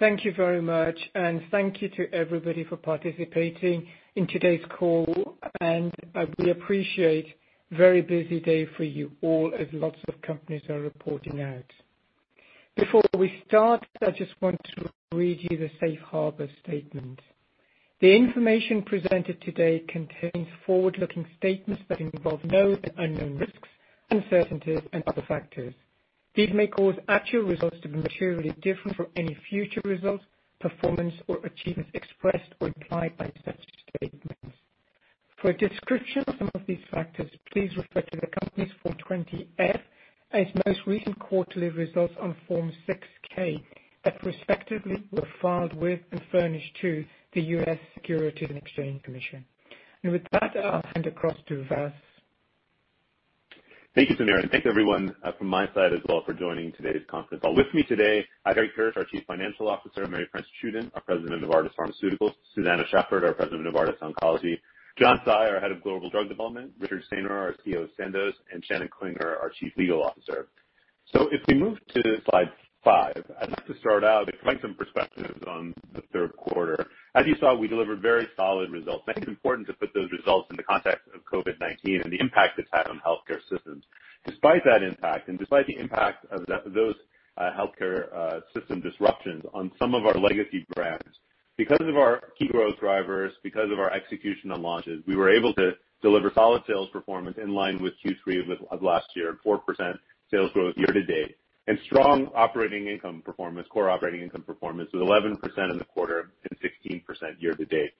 Thank you very much. Thank you to everybody for participating in today's call. We appreciate, very busy day for you all as lots of companies are reporting out. Before we start, I just want to read you the safe harbor statement. The information presented today contains forward-looking statements that involve known and unknown risks, uncertainties and other factors. These may cause actual results to be materially different from any future results, performance or achievement expressed or implied by such statements. For a description of some of these factors, please refer to the company's 20-F and its most recent quarterly results on Form 6-K that respectively were filed with and furnished to the U.S. Securities and Exchange Commission. With that, I'll hand across to Vas. Thank you, Samir, and thank everyone from my side as well for joining today's conference call. With me today, I have Harry Kirsch, our Chief Financial Officer, Marie-France Tschudin, our President of Novartis Pharmaceuticals, Susanne Schaffert, our President of Novartis Oncology, John Tsai, our Head of Global Drug Development, Richard Saynor, our CEO of Sandoz, and Shannon Klinger, our Chief Legal Officer. If we move to slide five, I'd like to start out providing some perspectives on the third quarter. As you saw, we delivered very solid results, and I think it's important to put those results in the context of COVID-19 and the impact it's had on healthcare systems. Despite that impact, despite the impact of those healthcare system disruptions on some of our legacy brands, because of our key growth drivers, because of our execution on launches, we were able to deliver solid sales performance in line with Q3 of last year, 4% sales growth year-to-date, and strong operating income performance, core operating income performance with 11% in the quarter and 16% year-to-date.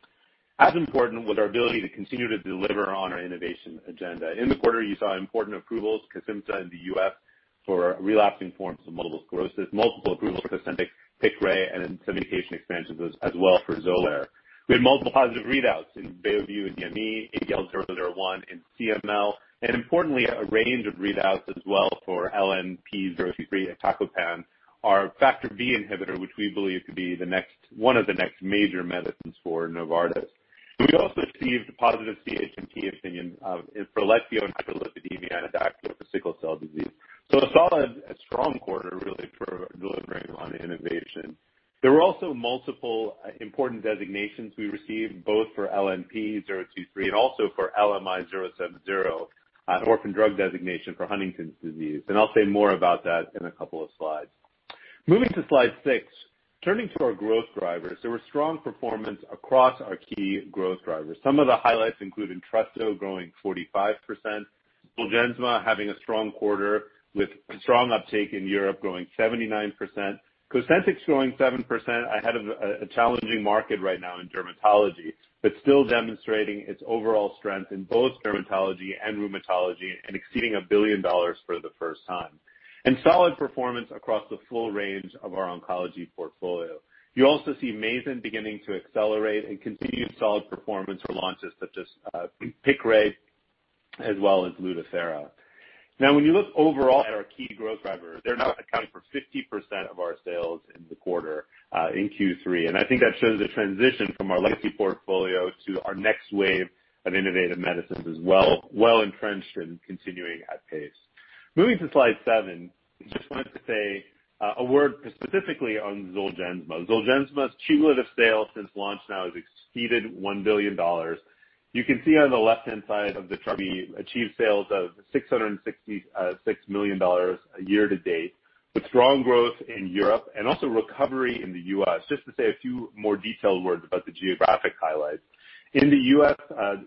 As important was our ability to continue to deliver on our innovation agenda. In the quarter, you saw important approvals, KESIMPTA in the U.S. for relapsing forms of multiple sclerosis, multiple approvals for COSENTYX, PIQRAY, and indication expansions as well for XOLAIR. We had multiple positive readouts in Beovu in DME, ABL001 in CML, a range of readouts as well for LNP023 iptacopan, our factor B inhibitor, which we believe to be one of the next major medicines for Novartis. We also received a positive CHMP opinion for LEQVIO in hypercholesterolemia and ADAKVEO for sickle cell disease. A solid, strong quarter really for delivering on innovation. There were also multiple important designations we received both for LNP023 and also for LMI070, an orphan drug designation for Huntington's disease. I'll say more about that in a couple of slides. Moving to slide six. Turning to our growth drivers, there were strong performance across our key growth drivers. Some of the highlights include ENTRESTO growing 45%, ZOLGENSMA having a strong quarter with strong uptake in Europe, growing 79%. COSENTYX growing 7% ahead of a challenging market right now in dermatology but still demonstrating its overall strength in both dermatology and rheumatology and exceeding $1 billion for the first time. Solid performance across the full range of our oncology portfolio. You also see MAYZENT beginning to accelerate and continued solid performance for launches such as PIQRAY as well as LUTATHERA. Now when you look overall at our key growth drivers, they're now accounting for 50% of our sales in the quarter, in Q3. I think that shows a transition from our legacy portfolio to our next wave of Innovative Medicines as well, well-entrenched and continuing at pace. Moving to slide seven. Just wanted to say a word specifically on ZOLGENSMA. ZOLGENSMA's cumulative sales since launch now has exceeded $1 billion. You can see on the left-hand side of the chart we achieved sales of $666 million year to date with strong growth in Europe and also recovery in the U.S. Just to say a few more detailed words about the geographic highlights. In the U.S.,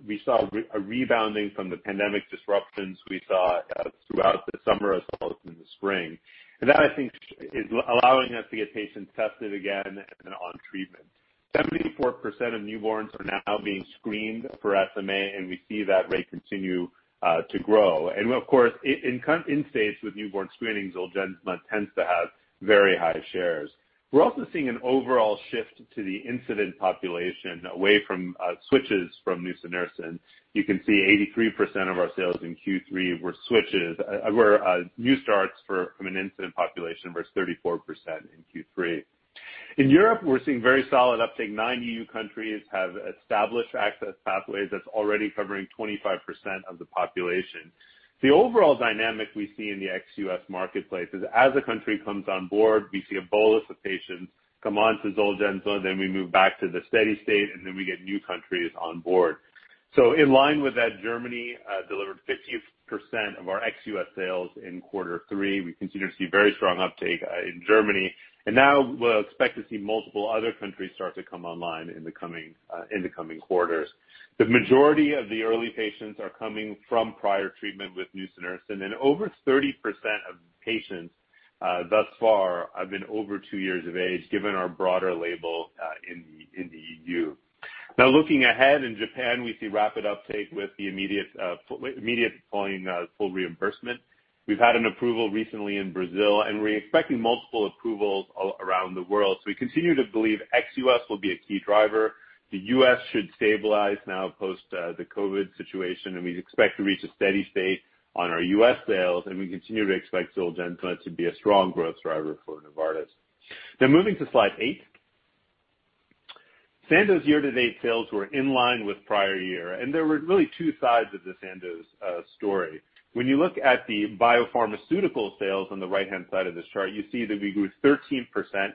we saw a rebounding from the pandemic disruptions we saw throughout the summer as well as in the spring. That I think is allowing us to get patients tested again and on treatment. 74% of newborns are now being screened for SMA, and we see that rate continue to grow. Of course, in states with newborn screening, Zolgensma tends to have very high shares. We're also seeing an overall shift to the incident population away from switches from nusinersen. You can see 83% of our sales in Q3 were new starts from an incident population [versus 34% in Q3]. In Europe, we're seeing very solid uptake. nine E.U. countries have established access pathways that's already covering 25% of the population. The overall dynamic we see in the ex-U.S. marketplace is as a country comes on board, we see a bolus of patients come onto ZOLGENSMA, then we move back to the steady state, and then we get new countries on board. In line with that, Germany delivered 15% of our ex-U.S. sales in quarter three. We continue to see very strong uptake in Germany, and now we'll expect to see multiple other countries start to come online in the coming quarters. The majority of the early patients are coming from prior treatment with nusinersen, and over 30% of patients thus far have been over two years of age given our broader label in the E.U. Looking ahead in Japan, we see rapid uptake with the immediate deploying full reimbursement. We've had an approval recently in Brazil, and we're expecting multiple approvals around the world. We continue to believe ex-U.S. will be a key driver. The U.S. should stabilize now post the COVID situation, and we expect to reach a steady state on our U.S. sales, and we continue to expect ZOLGENSMA to be a strong growth driver for Novartis. Moving to slide eight. Sandoz year-to-date sales were in line with prior year, and there were really two sides of the Sandoz story. When you look at the biopharmaceutical sales on the right-hand side of this chart, you see that we grew 13%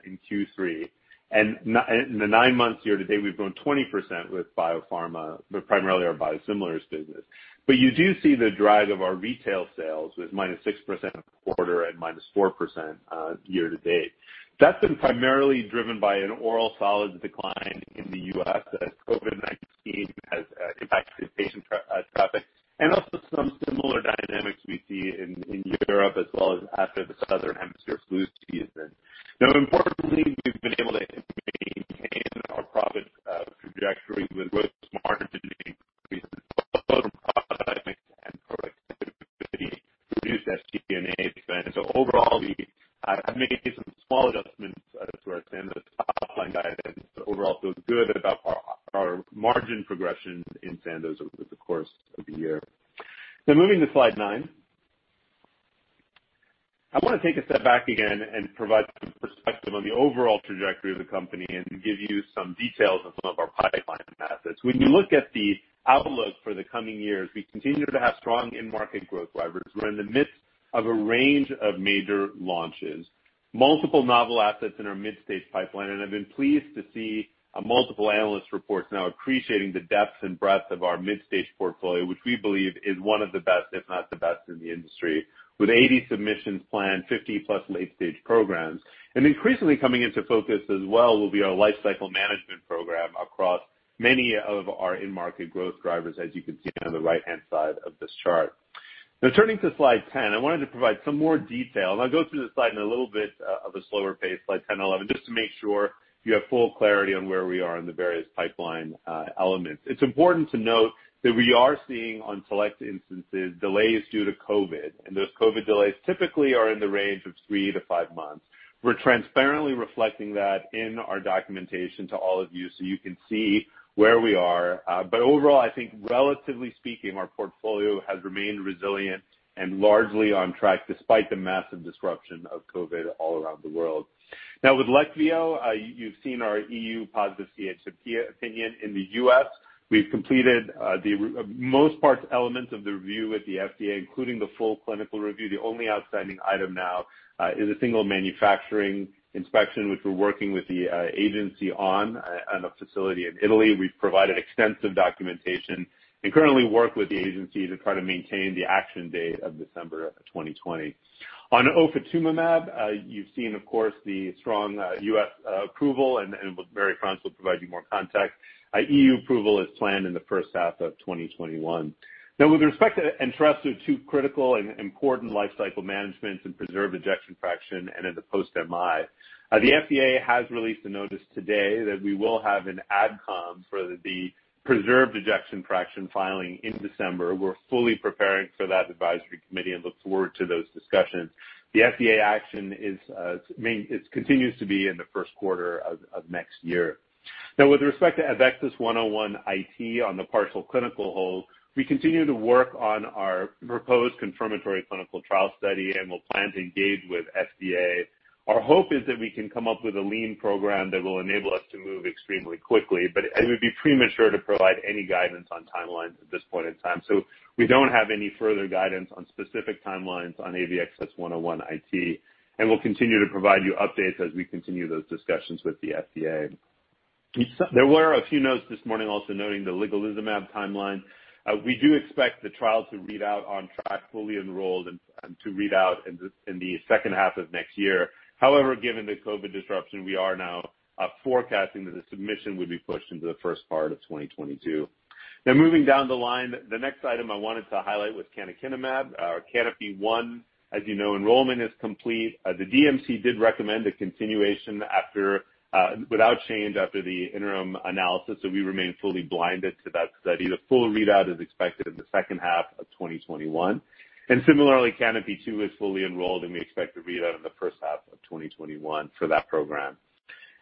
in Q3. In the nine months year to date, we've grown 20% with biopharma, but primarily our biosimilars business. You do see the drag of our retail sales with -6% quarter and -4% year-to-date. That's been primarily driven by an oral solids decline in the U.S. as COVID-19 has impacted patient traffic and also some similar dynamics we see in Europe as well as after the Southern Hemisphere flu season. Importantly, we've been able to maintain our profit trajectory with gross margin increases, both from products and productivity, reduced [FCPA expense]. Overall, I've made some small adjustments to our Sandoz top-line guidance, but overall feel good about our margin progression in Sandoz over the course of the year. Moving to slide nine. I want to take a step back again and provide some perspective on the overall trajectory of the company and give you some details on some of our pipeline assets. When you look at the outlook for the coming years, we continue to have strong in-market growth drivers. We're in the midst of a range of major launches, multiple novel assets in our mid-stage pipeline, and I've been pleased to see multiple analyst reports now appreciating the depth and breadth of our mid-stage portfolio, which we believe is one of the best, if not the best in the industry. With 80 submissions planned, 50+ late-stage programs, and increasingly coming into focus as well will be our lifecycle management program across many of our in-market growth drivers, as you can see on the right-hand side of this chart. Turning to slide 10, I wanted to provide some more detail, and I'll go through this slide in a little bit of a slower pace, slide 10 and 11, just to make sure you have full clarity on where we are in the various pipeline elements. It's important to note that we are seeing, on select instances, delays due to COVID, and those COVID delays typically are in the range of three to five months. We're transparently reflecting that in our documentation to all of you so you can see where we are. Overall, I think relatively speaking, our portfolio has remained resilient and largely on track despite the massive disruption of COVID all around the world. With LEQVIO, you've seen our E.U. positive CHMP opinion. In the U.S., we've completed the most parts elements of the review with the FDA, including the full clinical review. The only outstanding item now is a single manufacturing inspection, which we're working with the agency on a facility in Italy. We've provided extensive documentation and currently work with the agency to try to maintain the action date of December 2020. On ofatumumab, you've seen, of course, the strong U.S. approval, and Marie-France will provide you more context. E.U. approval is planned in the first half of 2021. With respect to ENTRESTO, two critical and important lifecycle management and preserved ejection fraction and in the post-MI. The FDA has released a notice today that we will have an AdCom for the preserved ejection fraction filing in December. We're fully preparing for that advisory committee and look forward to those discussions. The FDA action continues to be in the first quarter of next year. With respect to AVXS-101 IT on the partial clinical hold, we continue to work on our proposed confirmatory clinical trial study and will plan to engage with FDA. Our hope is that we can come up with a lean program that will enable us to move extremely quickly, but it would be premature to provide any guidance on timelines at this point in time. We don't have any further guidance on specific timelines on AVXS-101 IT, and we'll continue to provide you updates as we continue those discussions with the FDA. There were a few notes this morning also noting the ligelizumab timeline. We do expect the trial to read out on track, fully enrolled, and to read out in the second half of next year. Given the COVID disruption, we are now forecasting that the submission would be pushed into the first part of 2022. Moving down the line, the next item I wanted to highlight was canakinumab or CANOPY-1. As you know, enrollment is complete. The DMC did recommend a continuation without change after the interim analysis, we remain fully blinded to that study. The full readout is expected in the second half of 2021. Similarly, CANOPY-2 is fully enrolled, and we expect to read out in the first half of 2021 for that program.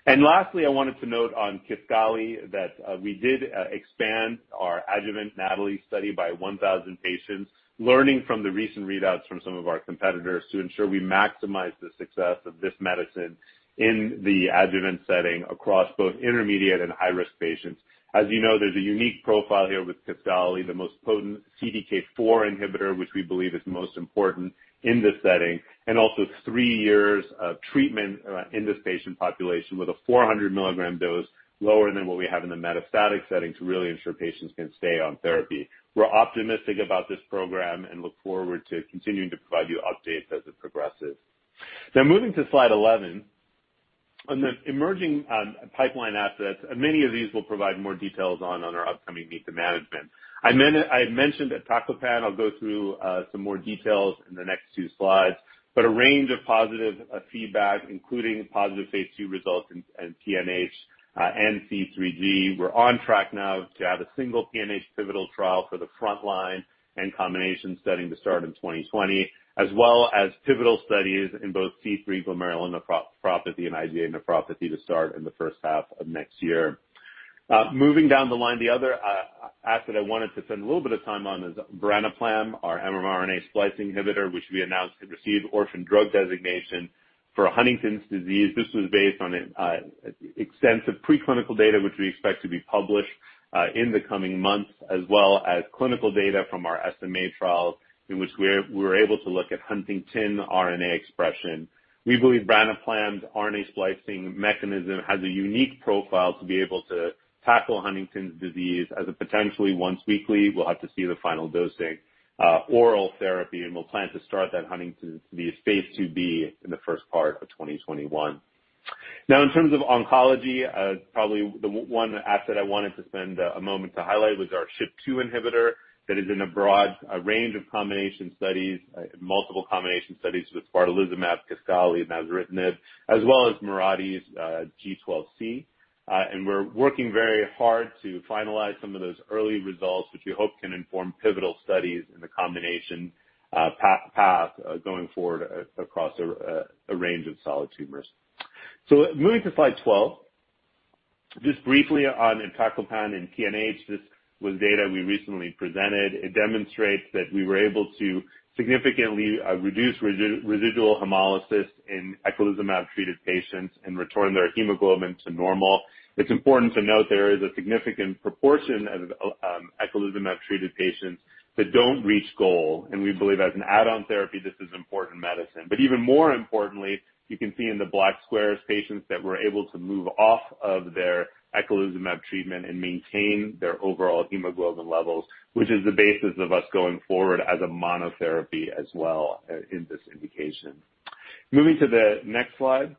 Lastly, I wanted to note on KISQALI that we did expand our adjuvant NATALEE study by 1,000 patients, learning from the recent readouts from some of our competitors to ensure we maximize the success of this medicine in the adjuvant setting across both intermediate and high-risk patients. As you know, there's a unique profile here with KISQALI, the most potent CDK4 inhibitor, which we believe is most important in this setting, and also three years of treatment in this patient population with a 400 mg dose lower than what we have in the metastatic setting to really ensure patients can stay on therapy. We're optimistic about this program and look forward to continuing to provide you updates as it progresses. Moving to slide 11. On the emerging pipeline assets, many of these we'll provide more details on our upcoming Meet the Management. I mentioned iptacopan. I'll go through some more details in the next two slides, a range of positive feedback, including positive phase II results in PNH and C3G. We're on track now to have a single PNH pivotal trial for the frontline and combination setting to start in 2020, as well as pivotal studies in both C3 glomerulonephritis and IgA nephropathy to start in the first half of next year. Moving down the line, the other asset I wanted to spend a little bit of time on is branaplam, our RNA splicing modulator, which we announced had received orphan drug designation for Huntington's disease. This was based on extensive preclinical data, which we expect to be published in the coming months, as well as clinical data from our SMA trials, in which we were able to look at huntingtin RNA expression. We believe branaplam's RNA splicing mechanism has a unique profile to be able to tackle Huntington's disease as a potentially once weekly, we'll have to see the final dosing, oral therapy, and we'll plan to start that Huntington's phase II-B in the first part of 2021. Now, in terms of oncology, probably the one asset I wanted to spend a moment to highlight was our SHP2 inhibitor, that is in a broad range of multiple combination studies with spartalizumab, KISQALI, and azacitidine, as well as Mirati's G12C. We're working very hard to finalize some of those early results, which we hope can inform pivotal studies in the combination path going forward across a range of solid tumors. Moving to slide 12. Just briefly on iptacopan in PNH. This was data we recently presented. It demonstrates that we were able to significantly reduce residual hemolysis in eculizumab-treated patients and return their hemoglobin to normal. It's important to note there is a significant proportion of eculizumab-treated patients that don't reach goal, and we believe as an add-on therapy, this is important medicine. Even more importantly, you can see in the black squares, patients that were able to move off of their eculizumab treatment and maintain their overall hemoglobin levels, which is the basis of us going forward as a monotherapy as well in this indication. Moving to the next slide.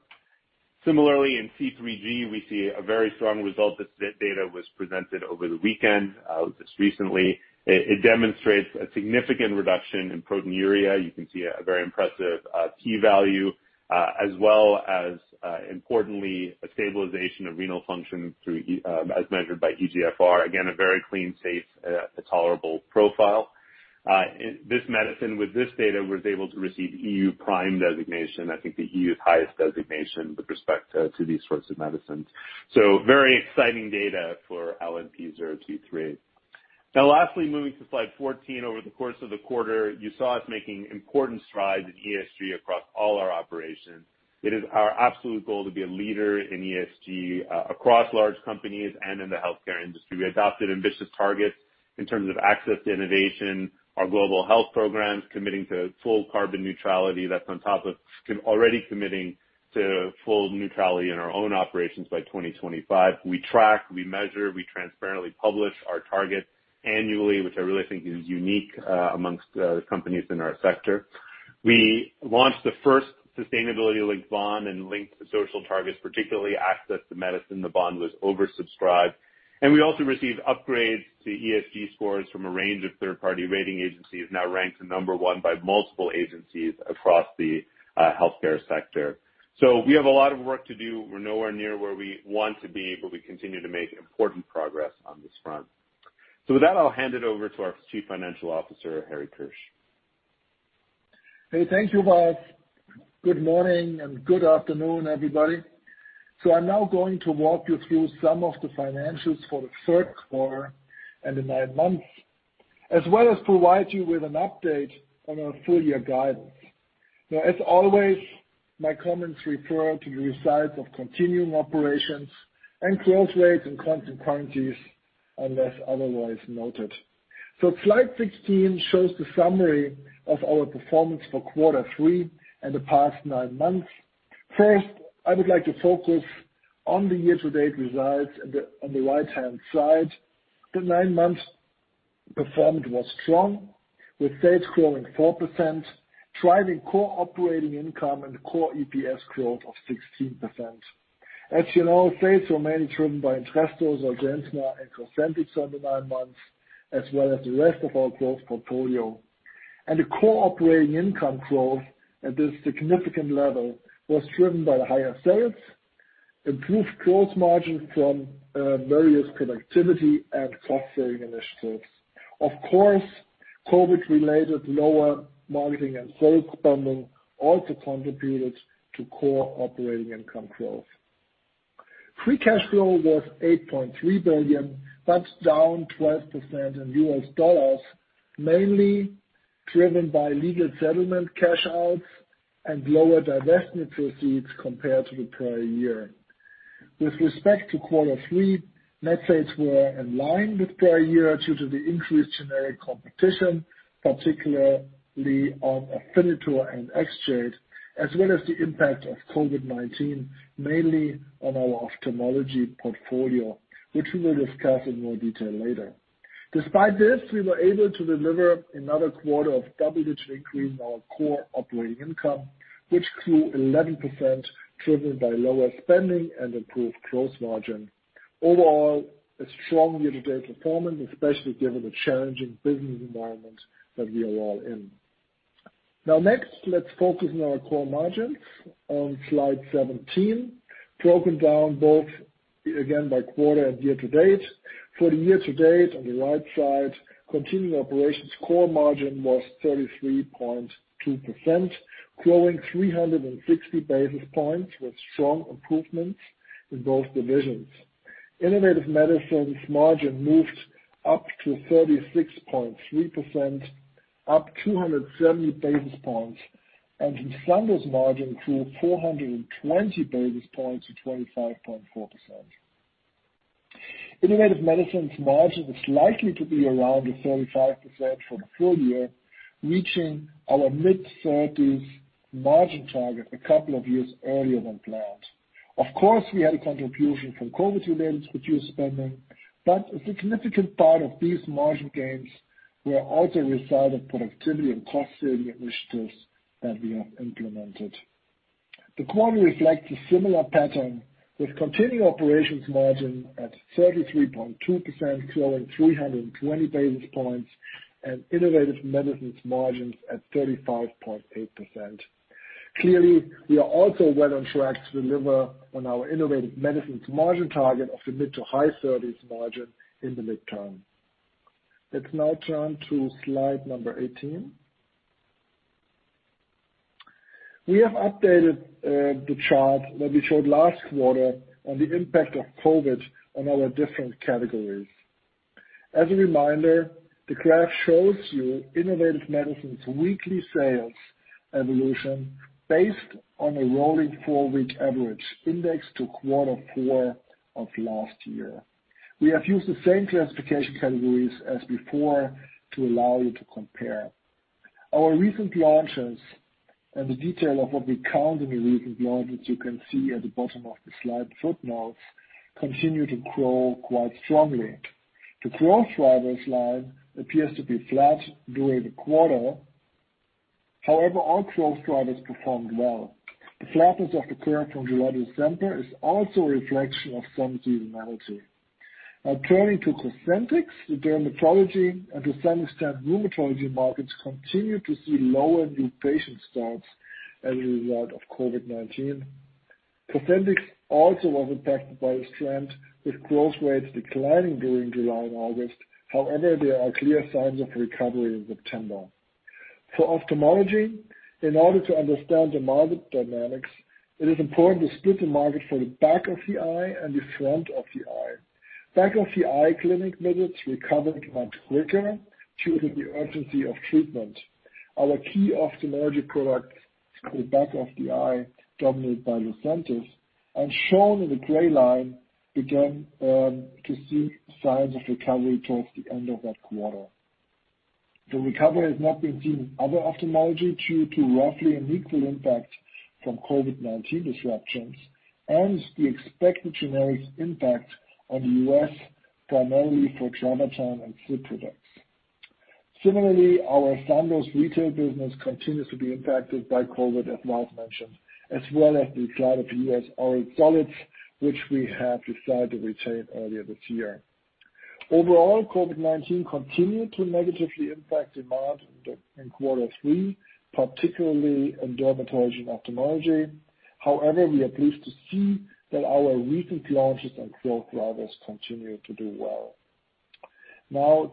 Similarly, in C3G, we see a very strong result. This data was presented over the weekend, just recently. It demonstrates a significant reduction in proteinuria. You can see a very impressive T value, as well as, importantly, a stabilization of renal function as measured by eGFR. Again, a very clean, safe, tolerable profile. This medicine, with this data, was able to receive E.U. PRIME designation, I think the E.U.'s highest designation with respect to these sorts of medicines. Very exciting data for LNP023. Lastly, moving to slide 14. Over the course of the quarter, you saw us making important strides in ESG across all our operations. It is our absolute goal to be a leader in ESG across large companies and in the healthcare industry. We adopted ambitious targets in terms of access to innovation, our global health programs, committing to full carbon neutrality. That's on top of already committing to full neutrality in our own operations by 2025. We track, we measure, we transparently publish our targets annually, which I really think is unique amongst companies in our sector. We launched the first sustainability-linked bond and linked the social targets, particularly access to medicine. The bond was oversubscribed. We also received upgrades to ESG scores from a range of third-party rating agencies, now ranked number one by multiple agencies across the healthcare sector. We have a lot of work to do. We're nowhere near where we want to be, but we continue to make important progress on this front. With that, I'll hand it over to our Chief Financial Officer, Harry Kirsch. Thank you, Vas. Good morning and good afternoon, everybody. I'm now going to walk you through some of the financials for the third quarter and the nine months, as well as provide you with an update on our full-year guidance. As always, my comments refer to the results of continuing operations and growth rates in constant currencies, unless otherwise noted. Slide 16 shows the summary of our performance for quarter three and the past nine months. First, I would like to focus on the year-to-date results on the right-hand side. The nine months' performance was strong, with sales growing 4%, driving core operating income and core EPS growth of 16%. As you know, sales were mainly driven by ENTRESTO, ZOLGENSMA, and COSENTYX over nine months, as well as the rest of our growth portfolio. The core operating income growth at this significant level was driven by the higher sales, improved gross margins from various productivity and cost-saving initiatives. Of course, COVID-related lower marketing and sales spending also contributed to core operating income growth. Free cash flow was $8.3 billion, that's down 12% in U.S. dollars, mainly driven by legal settlement cash outs and lower divestment proceeds compared to the prior year. With respect to Q3, net sales were in line with prior year due to the increased generic competition, particularly on Afinitor and Exjade, as well as the impact of COVID-19, mainly on our ophthalmology portfolio, which we will discuss in more detail later. Despite this, we were able to deliver another quarter of double-digit increase in our core operating income, which grew 11%, driven by lower spending and improved gross margin. Overall, a strong year-to-date performance, especially given the challenging business environment that we are all in. Next, let's focus on our core margins on slide 17, broken down both again by quarter and year to date. For the year to date on the right side, continuing operations core margin was 33.2%, growing 360 basis points with strong improvements in both divisions. Innovative Medicines margin moved up to 36.3%, up 270 basis points, and the Sandoz margin grew 420 basis points to 25.4%. Innovative Medicines' margin is likely to be around the 35% for the full year, reaching our mid-30s margin target a couple of years earlier than planned. Of course, we had a contribution from COVID-related reduced spending, a significant part of these margin gains were also a result of productivity and cost-saving initiatives that we have implemented. The quarter reflects a similar pattern, with continuing operations margin at 33.2%, growing 320 basis points, and Innovative Medicines margins at 35.8%. We are also well on track to deliver on our Innovative Medicines margin target of the mid to high 30s margin in the midterm. Let's now turn to slide number 18. We have updated the chart that we showed last quarter on the impact of COVID on our different categories. As a reminder, the graph shows you Innovative Medicines weekly sales evolution based on a rolling four-week average indexed to quarter four of last year. We have used the same classification categories as before to allow you to compare. Our recent launches and the detail of what we count in the recent launches you can see at the bottom of the slide footnotes, continue to grow quite strongly. The growth drivers line appears to be flat during the quarter. Our growth drivers performed well. The flatness of the curve from July to September is also a reflection of some seasonality. Turning to COSENTYX, the dermatology and to some extent rheumatology markets continue to see lower new patient starts as a result of COVID-19. COSENTYX also was impacted by this trend, with growth rates declining during July and August. There are clear signs of recovery in September. Ophthalmology, in order to understand the market dynamics, it is important to split the market for the back of the eye and the front of the eye. Back of the eye clinic visits recovered much quicker due to the urgency of treatment. Our key ophthalmology products in the back of the eye dominated by Lucentis and shown in the gray line began to see signs of recovery towards the end of that quarter. The recovery has not been seen in other ophthalmology due to roughly an equal impact from COVID-19 disruptions and the expected generics impact on the U.S., primarily for TRAVATAN and [Xiidra] products. Similarly, our Sandoz retail business continues to be impacted by COVID, as Vas mentioned, as well as the decline of U.S. oral solids, which we have decided to retain earlier this year. Overall, COVID-19 continued to negatively impact demand in quarter three, particularly in dermatology and ophthalmology. We are pleased to see that our recent launches and growth drivers continue to do well.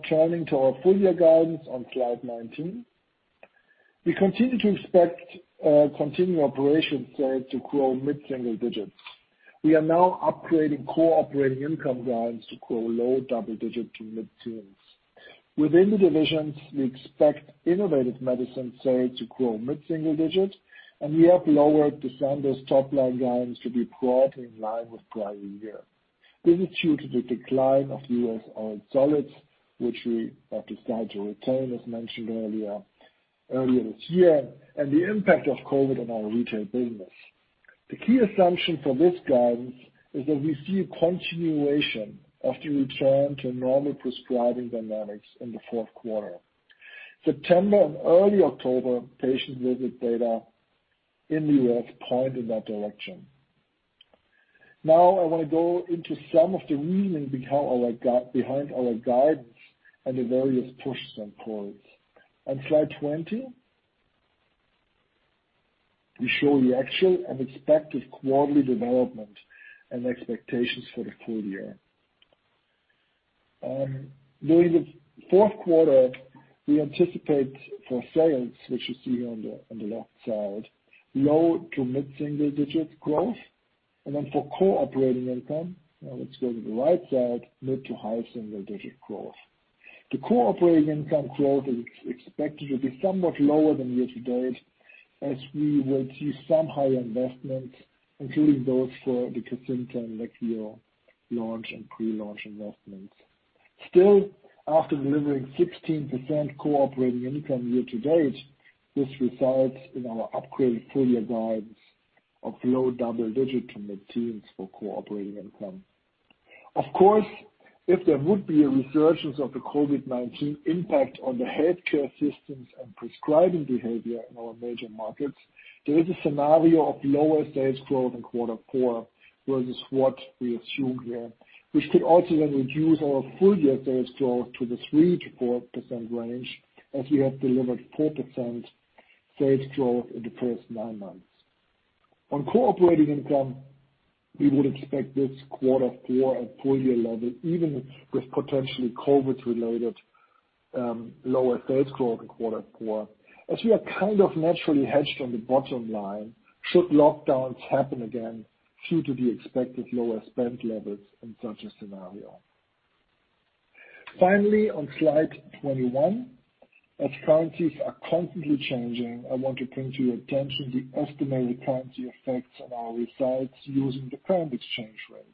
Turning to our full-year guidance on slide 19. We continue to expect continued operations sales to grow mid-single digits. We are now upgrading core operating income guidance to grow low double-digit to mid-10s. Within the divisions, we expect Innovative Medicines sales to grow mid-single digits, and we have lowered the Sandoz top-line guidance to be broadly in line with prior year. This is due to the decline of U.S. Oral Solids, which we have decided to retain as mentioned earlier this year, and the impact of COVID on our retail business. The key assumption for this guidance is that we see a continuation of the return to normal prescribing dynamics in the fourth quarter. September and early October patient visit data in the U.S. point in that direction. I want to go into some of the reasoning behind our guidance and the various pushes and pulls. On slide 20, we show the actual and expected quarterly development and expectations for the full year. During the fourth quarter, we anticipate for sales, which you see here on the left side, low to mid-single digit growth. For core operating income, now let's go to the right side, mid to high single digit growth. The core operating income growth is expected to be somewhat lower than year to date as we will see some higher investments, including those for the COSENTYX and LEQVIO launch and pre-launch investments. After delivering 16% core operating income year to date, this results in our upgraded full-year guidance of low double digit to mid-10s for core operating income. Of course, if there would be a resurgence of the COVID-19 impact on the healthcare systems and prescribing behavior in our major markets, there is a scenario of lower sales growth in quarter four versus what we assume here. Which could also reduce our full-year sales growth to the 3%-4% range, as we have delivered 4% sales growth in the first nine months. On core operating income, we would expect this quarter four and full-year level, even with potentially COVID-related lower sales growth in quarter four, as we are kind of naturally hedged on the bottom line should lockdowns happen again, due to the expected lower spend levels in such a scenario. Finally, on slide 21, as currencies are constantly changing, I want to bring to your attention the estimated currency effects on our results using the current exchange rates.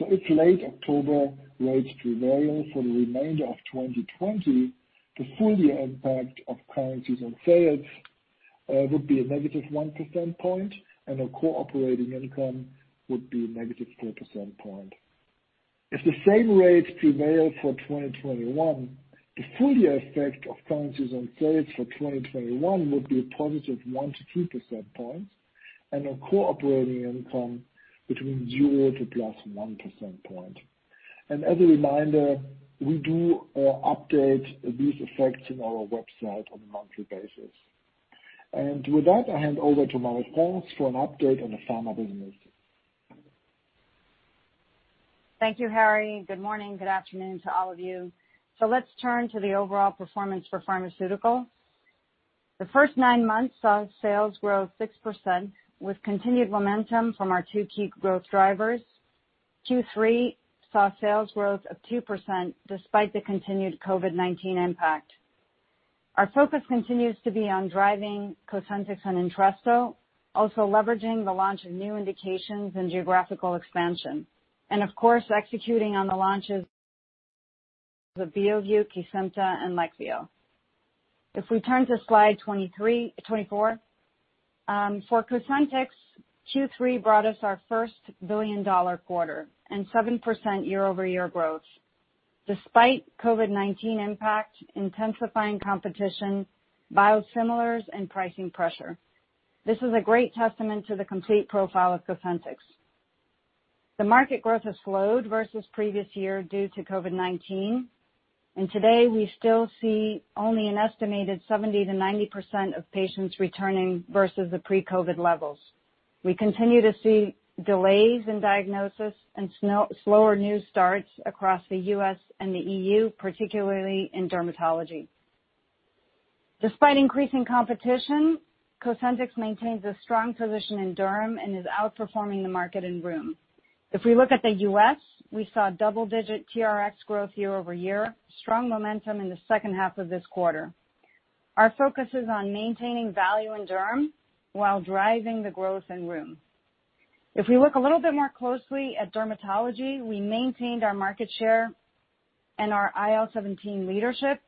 If late October rates prevail for the remainder of 2020, the full year impact of currencies on sales would be a negative 1% point and our core operating income would be negative 4% point. If the same rates prevail for 2021, the full year effect of currencies on sales for 2021 would be a positive 1%-2% points and our core operating income between zero to +1% point. As a reminder, we do update these effects in our website on a monthly basis. With that, I hand over to Marie-France for an update on the pharma business. Thank you, Harry. Good morning. Good afternoon to all of you. Let's turn to the overall performance for Novartis Pharmaceuticals. The first nine months saw sales grow 6% with continued momentum from our two key growth drivers. Q3 saw sales growth of 2% despite the continued COVID-19 impact. Our focus continues to be on driving COSENTYX and ENTRESTO, also leveraging the launch of new indications and geographical expansion. Of course, executing on the launches of BEOVU, KYMRIAH and LEQVIO. If we turn to slide 24. For COSENTYX, Q3 brought us our first billion-dollar quarter and 7% year-over-year growth despite COVID-19 impact, intensifying competition, biosimilars, and pricing pressure. This is a great testament to the complete profile of COSENTYX. The market growth has slowed versus previous year due to COVID-19, today we still see only an estimated 70%-90% of patients returning versus the pre-COVID levels. We continue to see delays in diagnosis and slower new starts across the U.S. and the E.U., particularly in dermatology. Despite increasing competition, COSENTYX maintains a strong position in derm and is outperforming the market in rheum. If we look at the U.S., we saw double-digit TRx growth year-over-year, strong momentum in the second half of this quarter. Our focus is on maintaining value in derm while driving the growth in rheum. If we look a little bit more closely at dermatology, we maintained our market share and our IL-17 leadership.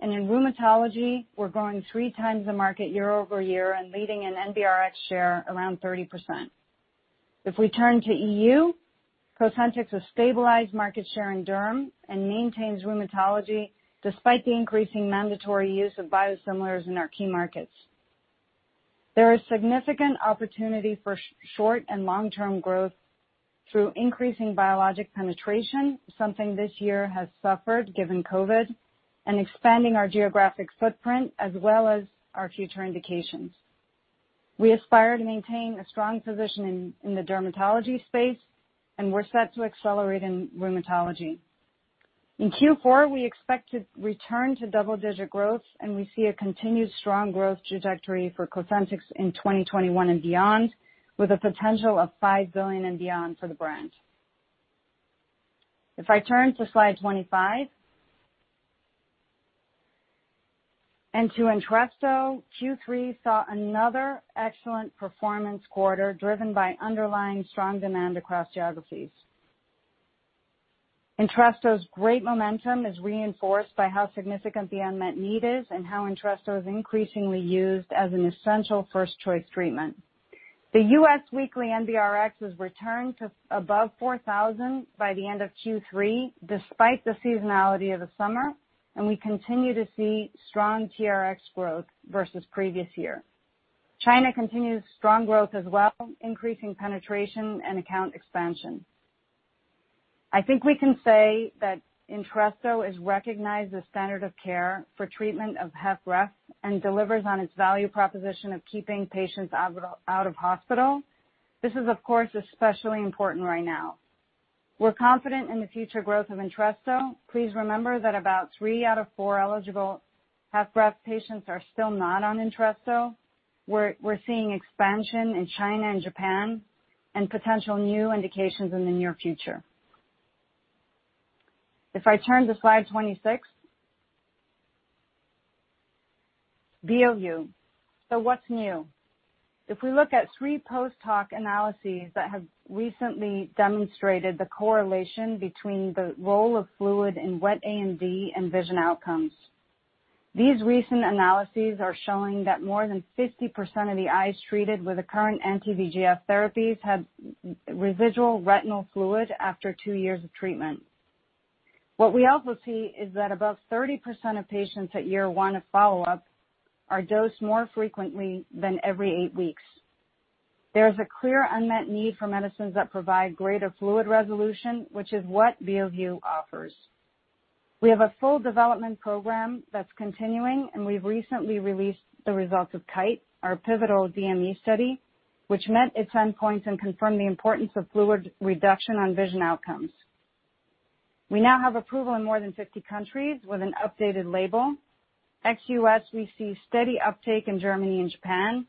In rheumatology, we're growing three times the market year-over-year and leading an NBRx share around 30%. If we turn to E.U., COSENTYX has stabilized market share in derm and maintains rheumatology despite the increasing mandatory use of biosimilars in our key markets. There is significant opportunity for short- and long-term growth through increasing biologic penetration, something this year has suffered given COVID, and expanding our geographic footprint as well as our future indications. We aspire to maintain a strong position in the dermatology space and we're set to accelerate in rheumatology. In Q4, we expect to return to double-digit growth, and we see a continued strong growth trajectory for COSENTYX in 2021 and beyond, with a potential of 5 billion and beyond for the brand. If I turn to slide 25. To ENTRESTO, Q3 saw another excellent performance quarter driven by underlying strong demand across geographies. ENTRESTO's great momentum is reinforced by how significant the unmet need is and how ENTRESTO is increasingly used as an essential first-choice treatment. The U.S. weekly NBRx has returned to above 4,000 by the end of Q3, despite the seasonality of the summer. We continue to see strong TRx growth versus previous year. China continues strong growth as well, increasing penetration and account expansion. I think we can say that ENTRESTO is recognized as standard of care for treatment of HFrEF and delivers on its value proposition of keeping patients out of hospital. This is, of course, especially important right now. We're confident in the future growth of ENTRESTO. Please remember that about three out of four eligible HFrEF patients are still not on ENTRESTO. We're seeing expansion in China and Japan and potential new indications in the near future. If I turn to slide 26. BEOVU. What's new? If we look at three post-hoc analyses that have recently demonstrated the correlation between the role of fluid in wet AMD and vision outcomes. These recent analyses are showing that more than 50% of the eyes treated with the current anti-VEGF therapies had residual retinal fluid after two years of treatment. What we also see is that above 30% of patients at year one of follow-up are dosed more frequently than every eight weeks. There is a clear unmet need for medicines that provide greater fluid resolution, which is what BEOVU offers. We have a full development program that's continuing and we've recently released the results of KITE, our pivotal DME study, which met its endpoints and confirmed the importance of fluid reduction on vision outcomes. We now have approval in more than 50 countries with an updated label. Ex-U.S., we see steady uptake in Germany and Japan.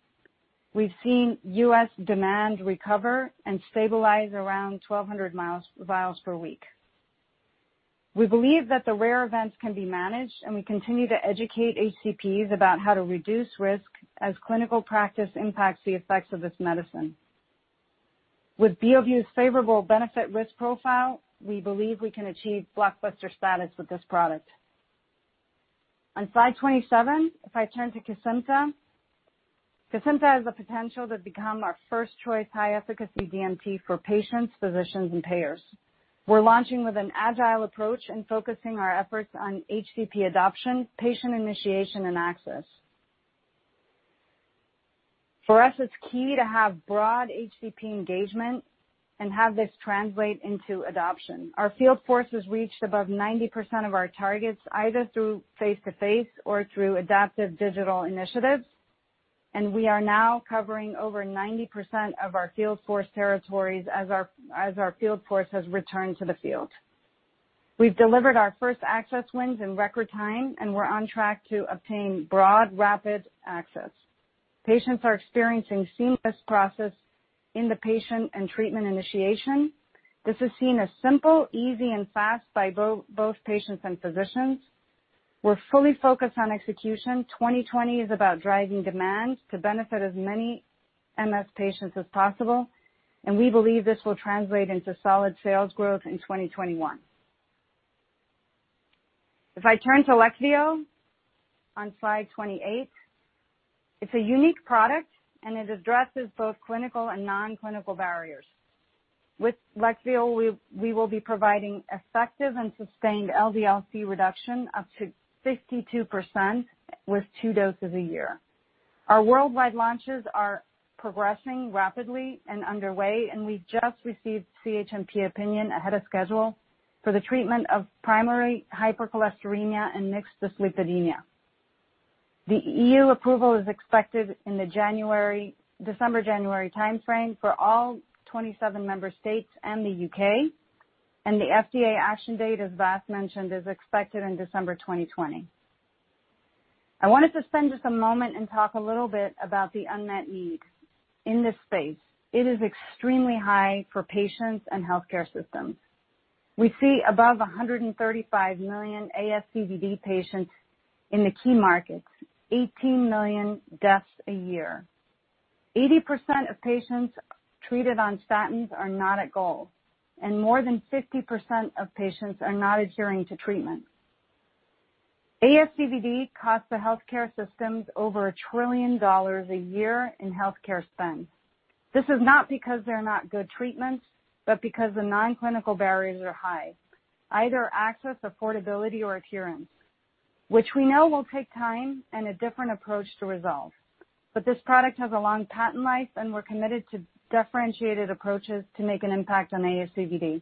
We've seen U.S. demand recover and stabilize around 1,200 vials per week. We believe that the rare events can be managed, and we continue to educate HCPs about how to reduce risk as clinical practice impacts the effects of this medicine. With BEOVU's favorable benefit risk profile, we believe we can achieve blockbuster status with this product. On slide 27, if I turn to KESIMPTA. KESIMPTA has the potential to become our first-choice high efficacy DMT for patients, physicians, and payers. We're launching with an agile approach and focusing our efforts on HCP adoption, patient initiation, and access. For us, it's key to have broad HCP engagement and have this translate into adoption. Our field force has reached above 90% of our targets, either through face-to-face or through adaptive digital initiatives, and we are now covering over 90% of our field force territories as our field force has returned to the field. We've delivered our first access wins in record time, and we're on track to obtain broad, rapid access. Patients are experiencing seamless process in the patient and treatment initiation. This is seen as simple, easy, and fast by both patients and physicians. We're fully focused on execution. 2020 is about driving demand to benefit as many MS patients as possible, and we believe this will translate into solid sales growth in 2021. If I turn to LEQVIO on slide 28, it's a unique product, and it addresses both clinical and non-clinical barriers. With LEQVIO, we will be providing effective and sustained LDL-C reduction up to 52% with two doses a year. Our worldwide launches are progressing rapidly and underway. We just received CHMP opinion ahead of schedule for the treatment of primary hypercholesterolemia and mixed dyslipidemia. The E.U. approval is expected in the December-January timeframe for all 27 member states and the U.K. The FDA action date, as Vas mentioned, is expected in December 2020. I wanted to spend just a moment and talk a little bit about the unmet need. In this space, it is extremely high for patients and healthcare systems. We see above 135 million ASCVD patients in the key markets, 18 million deaths a year. 80% of patients treated on statins are not at goal. More than 50% of patients are not adhering to treatment. ASCVD costs the healthcare systems over $1 trillion a year in healthcare spend. This is not because they're not good treatments, but because the non-clinical barriers are high, either access, affordability, or adherence, which we know will take time and a different approach to resolve. This product has a long patent life, and we're committed to differentiated approaches to make an impact on ASCVD.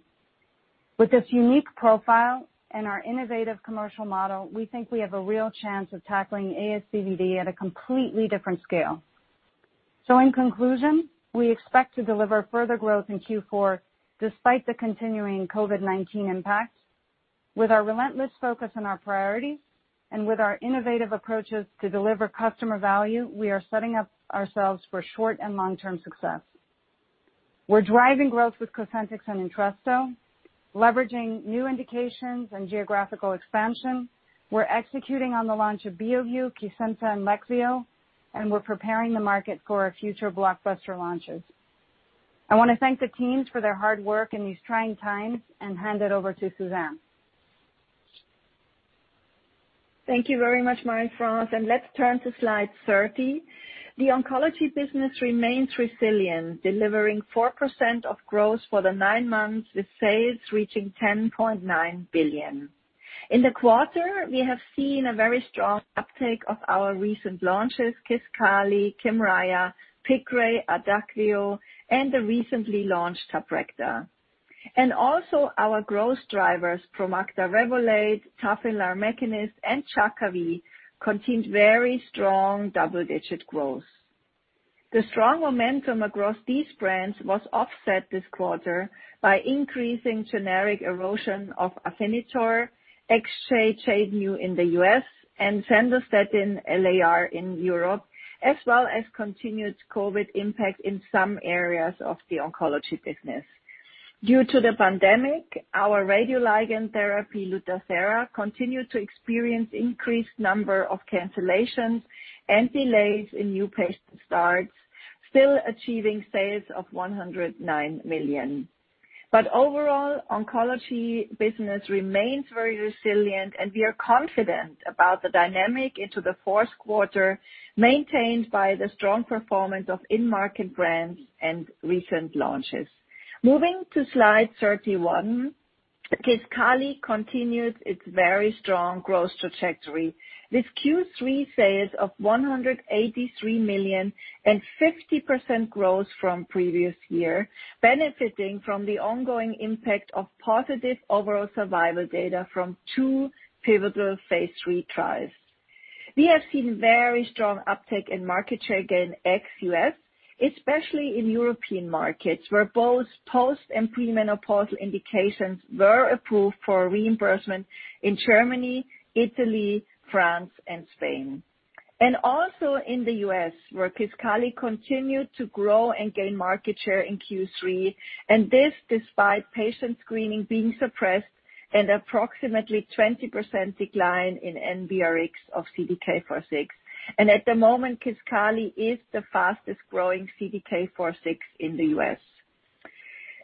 With this unique profile and our innovative commercial model, we think we have a real chance of tackling ASCVD at a completely different scale. In conclusion, we expect to deliver further growth in Q4 despite the continuing COVID-19 impacts. With our relentless focus on our priorities and with our innovative approaches to deliver customer value, we are setting up ourselves for short and long-term success. We're driving growth with COSENTYX and ENTRESTO, leveraging new indications and geographical expansion. We're executing on the launch of BEOVU, KESIMPTA, and LEQVIO, we're preparing the market for our future blockbuster launches. I want to thank the teams for their hard work in these trying times and hand it over to Susanne. Thank you very much, Marie-France. Let's turn to slide 30. The oncology business remains resilient, delivering 4% of growth for the nine months, with sales reaching 10.9 billion. In the quarter, we have seen a very strong uptake of our recent launches, KISQALI, KYMRIAH, PIQRAY, ADAKVEO, and the recently launched TABRECTA. Also our growth drivers, PROMACTA, REVOLADE, TAFINLAR, MEKINIST, and Jakavi, continued very strong double-digit growth. The strong momentum across these brands was offset this quarter by increasing generic erosion of Afinitor, Exjade in the U.S., and SANDOSTATIN LAR in Europe, as well as continued COVID impact in some areas of the oncology business. Due to the pandemic, our radioligand therapy, LUTATHERA, continued to experience increased number of cancellations and delays in new patient starts, still achieving sales of 109 million. Overall, Oncology business remains very resilient, and we are confident about the dynamic into the fourth quarter, maintained by the strong performance of in-market brands and recent launches. Moving to slide 31. KISQALI continued its very strong growth trajectory with Q3 sales of 183 million and 50% growth from previous year, benefiting from the ongoing impact of positive overall survival data from two pivotal phase III trials. We have seen very strong uptake in market share gain ex-U.S., especially in European markets, where both post and premenopausal indications were approved for reimbursement in Germany, Italy, France, and Spain. Also in the U.S., where KISQALI continued to grow and gain market share in Q3. This despite patient screening being suppressed and approximately 20% decline in NBRx of CDK4/6. At the moment, KISQALI is the fastest-growing CDK4/6 in the U.S.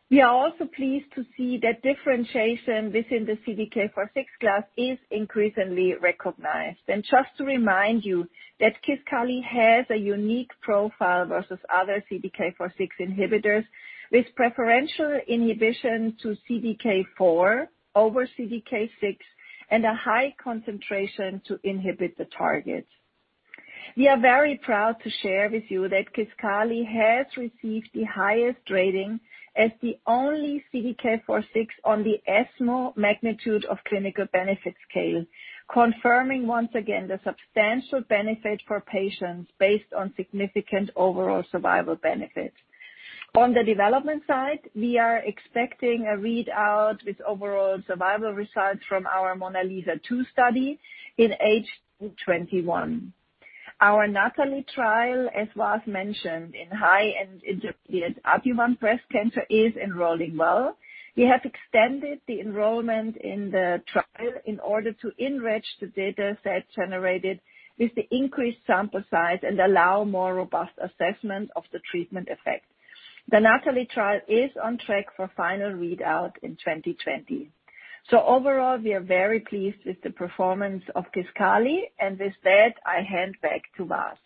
We are also pleased to see that differentiation within the CDK4/6 class is increasingly recognized. Just to remind you that KISQALI has a unique profile versus other CDK4/6 inhibitors, with preferential inhibition to CDK4 over CDK6 and a high concentration to inhibit the target. We are very proud to share with you that KISQALI has received the highest rating as the only CDK4/6 on the ESMO Magnitude of Clinical Benefit scale, confirming once again the substantial benefit for patients based on significant overall survival benefit. On the development side, we are expecting a readout with overall survival results from our MONALEESA-2 study in H2 2021. Our NATALEE trial, as Vas mentioned, in high and intermediate ER+ breast cancer is enrolling well. We have extended the enrollment in the trial in order to enrich the dataset generated with the increased sample size and allow more robust assessment of the treatment effect. The NATALEE trial is on track for final readout in 2020. Overall, we are very pleased with the performance of KISQALI. With that, I hand back to Vas.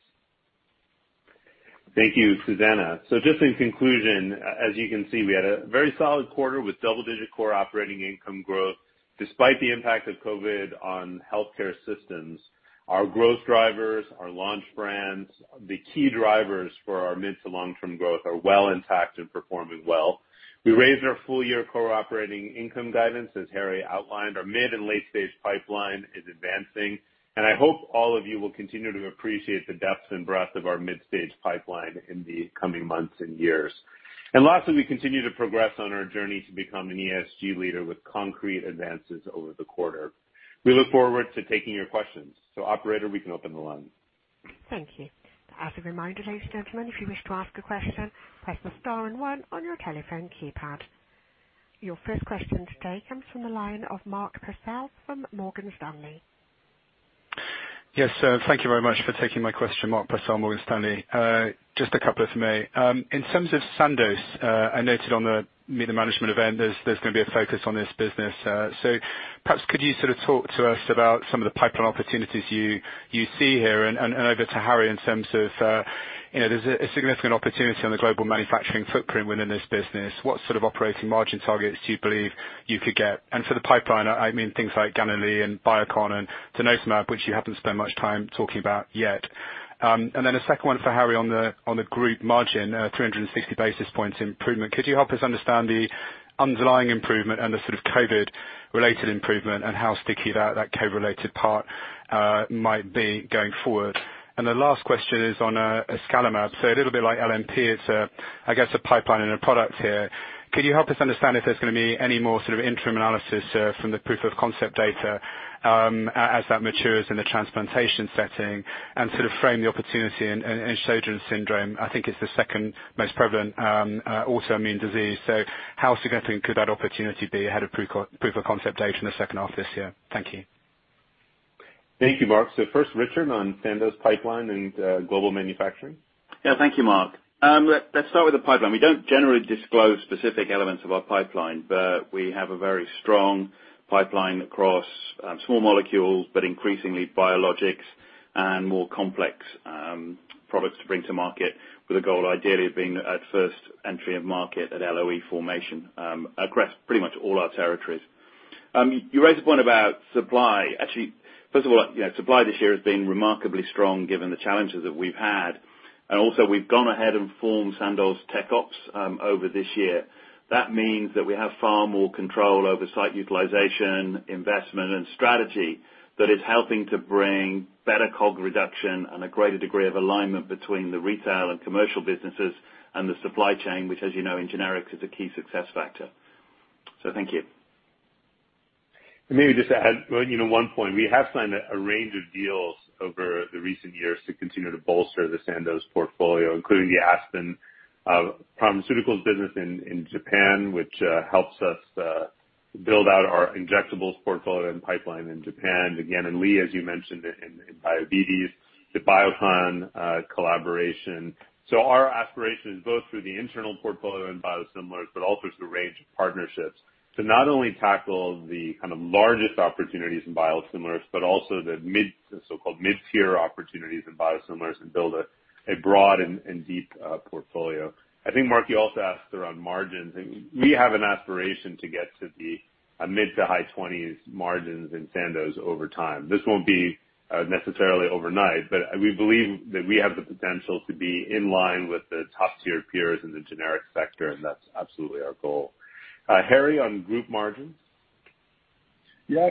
Thank you, Susanne. Just in conclusion, as you can see, we had a very solid quarter with double-digit core operating income growth despite the impact of COVID on healthcare systems. Our growth drivers, our launch brands, the key drivers for our mid to long-term growth are well intact and performing well. We raised our full-year core operating income guidance, as Harry outlined. Our mid and late-stage pipeline is advancing, and I hope all of you will continue to appreciate the depth and breadth of our mid-stage pipeline in the coming months and years. Lastly, we continue to progress on our journey to become an ESG leader with concrete advances over the quarter. We look forward to taking your questions. Operator, we can open the line. Thank you. As a reminder, ladies and gentlemen, if you wish to ask a question, press the star and one on your telephone keypad. Your first question today comes from the line of Mark Purcell from Morgan Stanley. Yes. Thank you very much for taking my question. Mark Purcell, Morgan Stanley. Just a couple for me. In terms of Sandoz, I noted on the Meet the Management event there's going to be a focus on this business. Perhaps could you sort of talk to us about some of the pipeline opportunities you see here and over to Harry in terms of there's a significant opportunity on the global manufacturing footprint within this business. What sort of operating margin targets do you believe you could get? For the pipeline, I mean things like Gan & Lee and Biocon and [tanezumab], which you haven't spent much time talking about yet. A second one for Harry on the group margin, 360 basis points improvement. Could you help us understand the underlying improvement and the sort of COVID-related improvement and how sticky that COVID-related part might be going forward? The last question is on iscalimab. A little bit like LNP, it's I guess a pipeline and a product here. Could you help us understand if there's going to be any more sort of interim analysis from the proof of concept data as that matures in the transplantation setting and sort of frame the opportunity in Sjögren's syndrome, I think is the second most prevalent autoimmune disease. How significant could that opportunity be ahead of proof of concept data in the second half this year? Thank you. Thank you, Mark. First, Richard, on Sandoz pipeline and global manufacturing. Thank you, Mark. Let's start with the pipeline. We don't generally disclose specific elements of our pipeline, but we have a very strong pipeline across small molecules, but increasingly biologics and more complex products to bring to market with a goal ideally of being at first entry of market at LOE formation across pretty much all our territories. You raised a point about supply. Actually, first of all, supply this year has been remarkably strong given the challenges that we've had. Also, we've gone ahead and formed Sandoz Tech Ops over this year. That means that we have far more control over site utilization, investment, and strategy that is helping to bring better COGS reduction and a greater degree of alignment between the retail and commercial businesses and the supply chain, which, as you know, in generics is a key success factor. Thank you. Maybe just to add one point. We have signed a range of deals over the recent years to continue to bolster the Sandoz portfolio, including the Aspen Pharmacare business in Japan, which helps us build out our injectables portfolio and pipeline in Japan. Gan & Lee, as you mentioned, in biosimilars, the Biocon collaboration. Our aspiration is both through the internal portfolio and biosimilars, but also through a range of partnerships to not only tackle the kind of largest opportunities in biosimilars, but also the so-called mid-tier opportunities in biosimilars and build a broad and deep portfolio. I think Mark, you also asked around margins, and we have an aspiration to get to the mid to high 20s margins in Sandoz over time. This won't be necessarily overnight. We believe that we have the potential to be in line with the top-tier peers in the generic sector, and that's absolutely our goal. Harry, on group margins?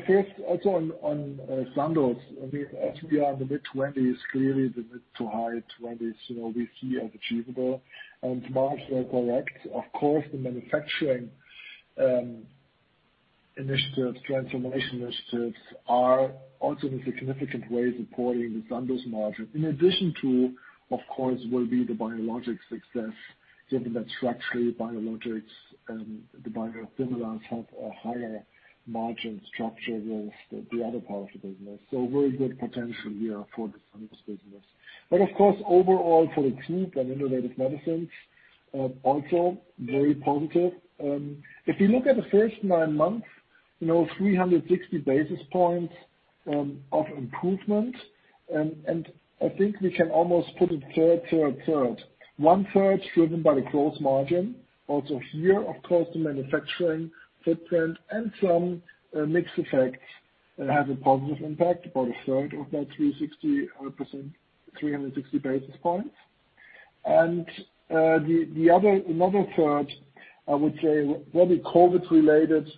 First, also on Sandoz, as we are in the mid 20s, clearly the mid to high 20s we see as achievable. Mark is very correct, of course, the manufacturing initiatives, transformation initiatives are also in a significant way supporting the Sandoz margin. In addition to, of course, will be the biologics success, given that structurally biologics and the biosimilars have a higher margin structure with the other parts of the business. Very good potential here for the Sandoz business. Of course, overall for the group and Innovative Medicines, also very positive. If you look at the first nine months, 360 basis points of improvement, I think we can almost put it one third. 1/3 is driven by the gross margin. Also here, of course, the manufacturing footprint and some mix effects have a positive impact, about a third of that 360 basis points. 1/3, I would say, probably COVID-related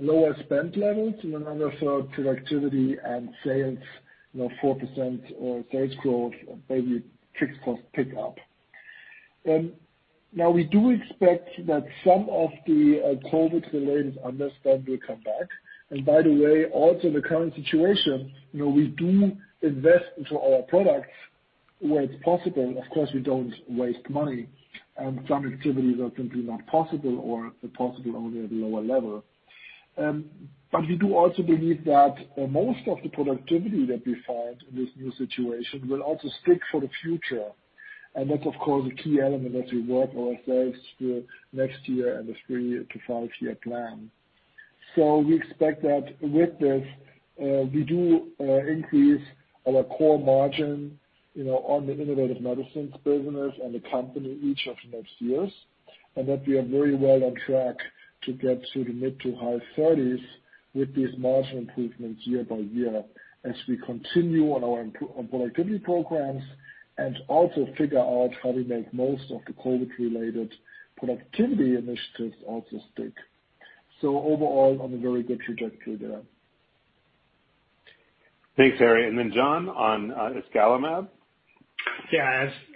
lower spends levels, 1/3 productivity and sales, 4% sales growth or maybe fixed cost pick up. We do expect that some of the COVID-related under-spend will come back. By the way, also in the current situation, we do invest into our products where it's possible. Of course, we don't waste money. Some activities are simply not possible or are possible only at a lower level. We do also believe that most of the productivity that we find in this new situation will also stick for the future. That's, of course, a key element as we work ourselves through next year and the three to five-year plan. We expect that with this, we do increase our core margin on the Innovative Medicines business and the company each of the next years, that we are very well on track to get to the mid to high 30s with these margin improvements year by year as we continue on our productivity programs and also figure out how we make most of the COVID-related productivity initiatives also stick. Overall, on a very good trajectory there. Thanks, Harry. John, on [isatuximab].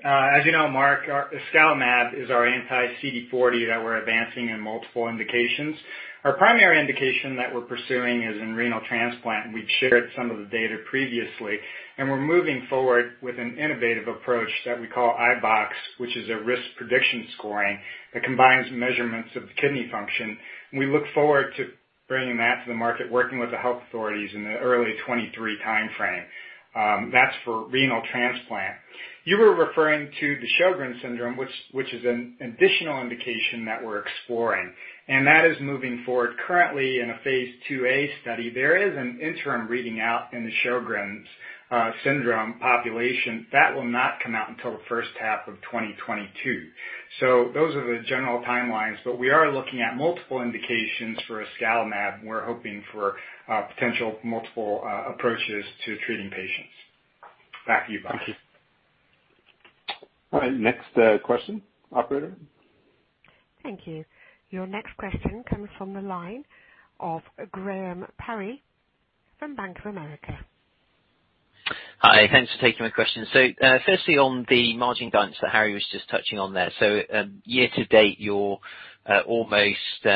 As you know, Mark, [isatuximab] is our [anti-CD38] that we're advancing in multiple indications. Our primary indication that we're pursuing is in renal transplant, and we've shared some of the data previously. We're moving forward with an innovative approach that we call iBox, which is a risk prediction scoring that combines measurements of kidney function. We look forward to bringing that to the market, working with the health authorities in the early 2023 timeframe. That's for renal transplant. You were referring to the Sjögren's syndrome, which is an additional indication that we're exploring. That is moving forward currently in a phase II-A study. There is an interim reading out in the Sjögren's syndrome population. That will not come out until the first half of 2022. Those are the general timelines. We are looking at multiple indications for [isatuximab], and we're hoping for potential multiple approaches to treating patients. Back to you, Mark. Thank you. All right. Next question, operator. Thank you. Your next question comes from the line of Graham Parry from Bank of America. Hi. Thanks for taking my question. Firstly, on the margin guidance that Harry was just touching on there. Year to date, you're almost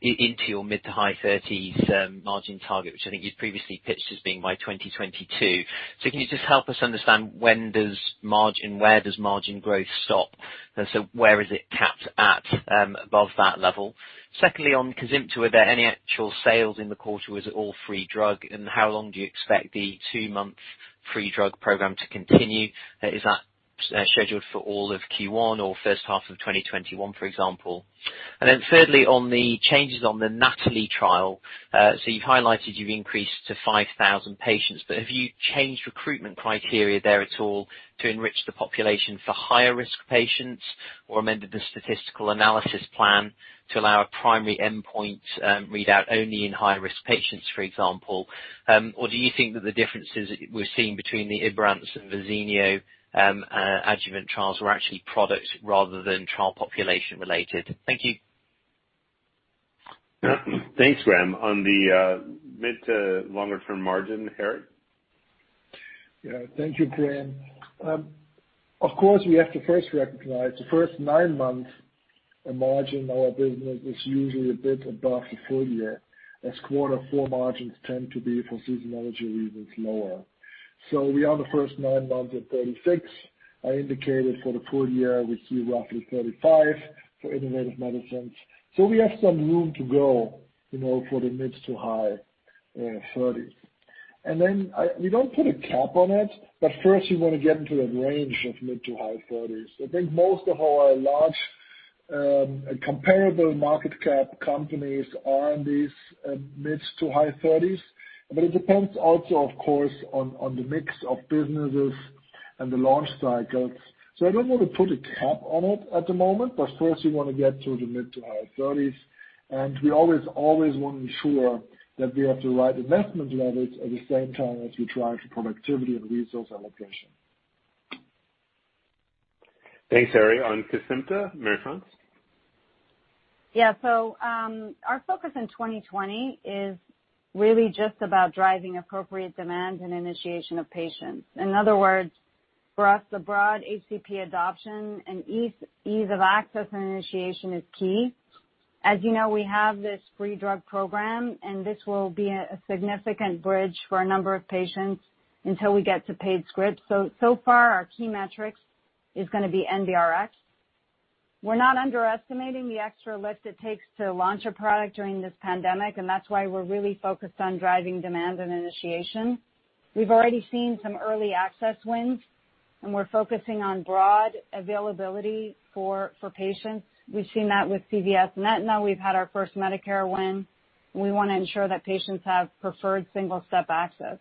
into your mid to high 30s margin target, which I think you'd previously pitched as being by 2022. Can you just help us understand when does margin, where does margin growth stop? Where is it capped at above that level? Secondly, on [Cosyntropin], were there any actual sales in the quarter or is it all free drug? How long do you expect the two-month free drug program to continue? Is that scheduled for all of Q1 or first half of 2021, for example? Thirdly, on the changes on the NATALEE trial. You've highlighted you've increased to 5,000 patients, but have you changed recruitment criteria there at all to enrich the population for higher risk patients or amended the statistical analysis plan to allow a primary endpoint readout only in high-risk patients, for example? Do you think that the differences we're seeing between the IBRANCE and Verzenio adjuvant trials were actually product rather than trial population related? Thank you. Thanks, Graham. On the mid to longer term margin, Harry? Thank you, Graham. Of course, we have to first recognize the first nine months margin in our business is usually a bit above the full year, as quarter four margins tend to be, for seasonality reasons, lower. We are in the first nine months at 36. I indicated for the full year, we see roughly 35 for Innovative Medicines. We have some room to go for the mid to high 30s. We don't put a cap on it, but first we want to get into that range of mid to high 30s. I think most of our large comparable market cap companies are in these mid to high 30s. It depends also, of course, on the mix of businesses and the launch cycles. I don't want to put a cap on it at the moment, but first we want to get to the mid to high 30s. We always want to ensure that we have the right investment levels at the same time as we drive productivity and resource allocation. Thanks, Harry. On Kisqali, Marie-France? Yeah. Our focus in 2020 is really just about driving appropriate demand and initiation of patients. In other words, for us, the broad HCP adoption and ease of access and initiation is key. As you know, we have this free drug program, and this will be a significant bridge for a number of patients until we get to paid scripts. So far our key metrics is going to be NBRx. We're not underestimating the extra lift it takes to launch a product during this pandemic, and that's why we're really focused on driving demand and initiation. We've already seen some early access wins, and we're focusing on broad availability for patients. We've seen that with CVS and Aetna. We've had our first Medicare win. We want to ensure that patients have preferred single-step access.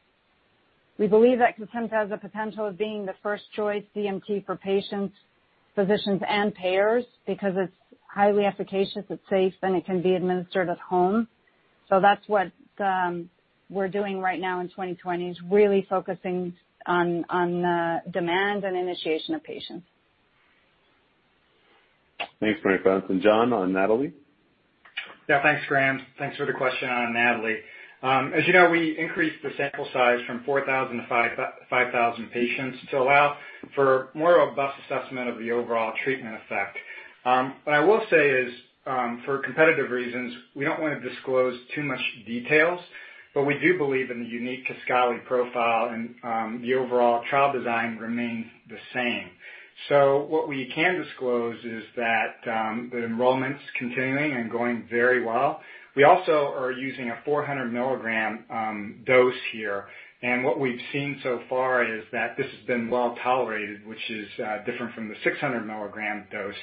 We believe that Kisqali has the potential of being the first choice DMT for patients, physicians, and payers because it's highly efficacious, it's safe, and it can be administered at home. That's what we're doing right now in 2020, is really focusing on the demand and initiation of patients. Thanks, Marie-France. John, on NATALEE? Thanks, Graham. Thanks for the question on NATALEE. As you know, we increased the sample size from 4,000 to 5,000 patients to allow for more robust assessment of the overall treatment effect. What I will say is, for competitive reasons, we don't want to disclose too much details, but we do believe in the unique KISQALI profile and the overall trial design remains the same. What we can disclose is that the enrollment's continuing and going very well. We also are using a 400 mg dose here, and what we've seen so far is that this has been well-tolerated, which is different from the 600 mg dose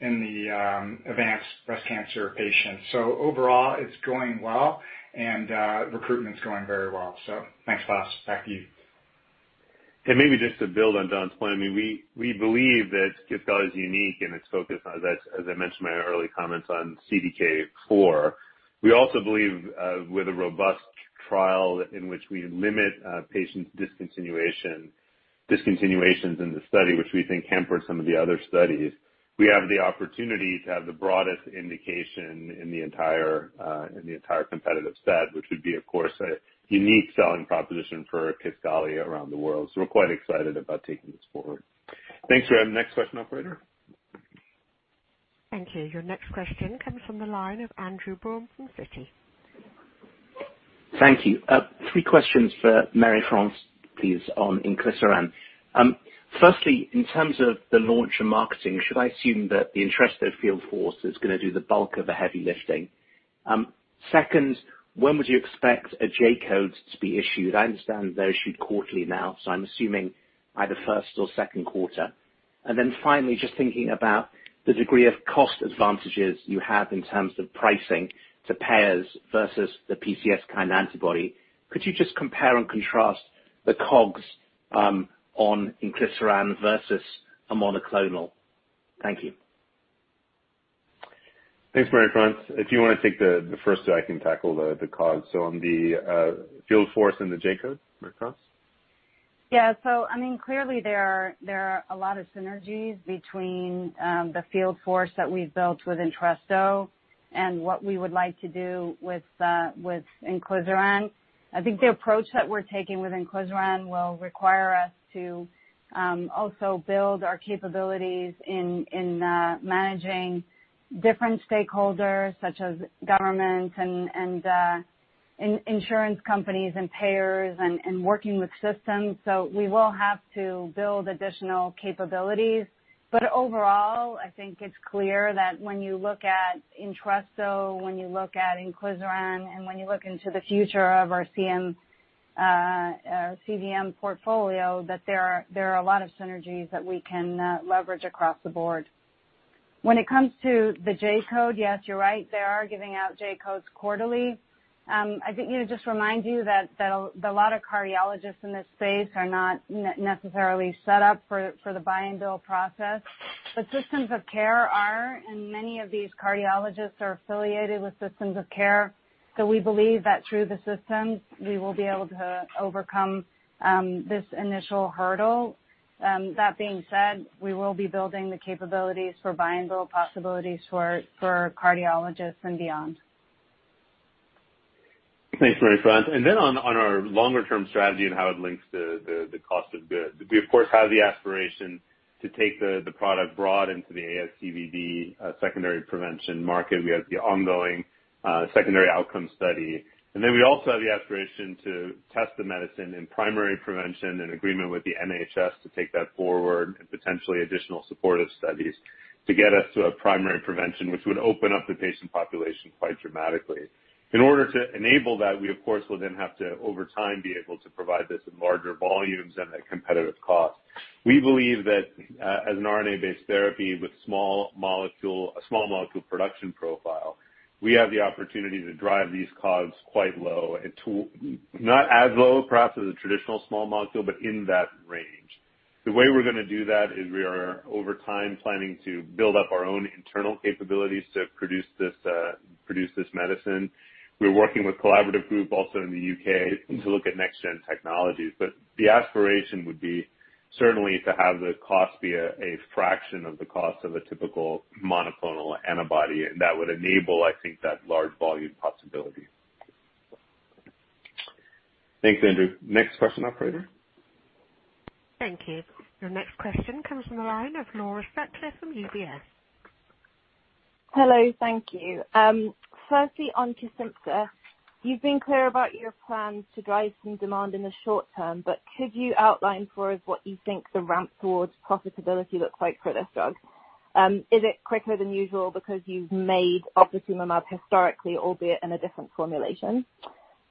in the advanced breast cancer patients. Overall, it's going well and recruitment's going very well. Thanks, [Klaus]. Back to you. Maybe just to build on John's point, we believe that KISQALI is unique in its focus on, as I mentioned in my early comments, on CDK4. We also believe with a robust trial in which we limit patients discontinuations in the study, which we think hampered some of the other studies. We have the opportunity to have the broadest indication in the entire competitive set, which would be, of course, a unique selling proposition for KISQALI around the world. We're quite excited about taking this forward. Thanks, Graham. Next question, operator. Thank you. Your next question comes from the line of Andrew Baum from Citi. Thank you. Three questions for Marie-France, please, on inclisiran. Firstly, in terms of the launch and marketing, should I assume that the ENTRESTO field force is going to do the bulk of the heavy lifting? Second, when would you expect a J-code to be issued? I understand they're issued quarterly now, I'm assuming either first or second quarter. Finally, just thinking about the degree of cost advantages you have in terms of pricing to payers versus the PCSK9 antibody. Could you just compare and contrast the COGS on inclisiran versus a monoclonal? Thank you. Thanks. Marie-France, if you want to take the first two, I can tackle the COGS. On the field force and the J-code, Marie-France? Clearly there are a lot of synergies between the field force that we've built with ENTRESTO and what we would like to do with inclisiran. I think the approach that we're taking with inclisiran will require us to also build our capabilities in managing different stakeholders, such as government and insurance companies and payers and working with systems. We will have to build additional capabilities. Overall, I think it's clear that when you look at ENTRESTO, when you look at inclisiran, and when you look into the future of our CVM portfolio, that there are a lot of synergies that we can leverage across the board. When it comes to the J-code, yes, you're right. They are giving out J-codes quarterly. I think to just remind you that a lot of cardiologists in this space are not necessarily set up for the buy and bill process. Systems of care are, and many of these cardiologists are affiliated with systems of care. We believe that through the systems, we will be able to overcome this initial hurdle. That being said, we will be building the capabilities for buy and bill possibilities for cardiologists and beyond. Thanks, Marie-France. On our longer-term strategy and how it links to the cost of goods. We of course have the aspiration to take the product broad into the ASCVD secondary prevention market. We have the ongoing secondary outcome study. We also have the aspiration to test the medicine in primary prevention in agreement with the NHS to take that forward and potentially additional supportive studies to get us to a primary prevention, which would open up the patient population quite dramatically. In order to enable that, we of course will then have to, over time, be able to provide this in larger volumes and at competitive cost. We believe that as an RNA-based therapy with a small molecule production profile, we have the opportunity to drive these COGS quite low. Not as low, perhaps, as a traditional small molecule, but in that range. The way we're going to do that is we are, over time, planning to build up our own internal capabilities to produce this medicine. We're working with Collaborative Group, also in the U.K., to look at next-gen technologies. The aspiration would be certainly to have the cost be a fraction of the cost of a typical monoclonal antibody, and that would enable, I think, that large volume possibility. Thanks, Andrew. Next question, operator. Thank you. Your next question comes from the line of Laura Sutcliffe from UBS. Hello. Thank you. Firstly, on KESIMPTA, you've been clear about your plans to drive some demand in the short term, but could you outline for us what you think the ramp towards profitability looks like for this drug? Is it quicker than usual because you've made ofatumumab historically, albeit in a different formulation?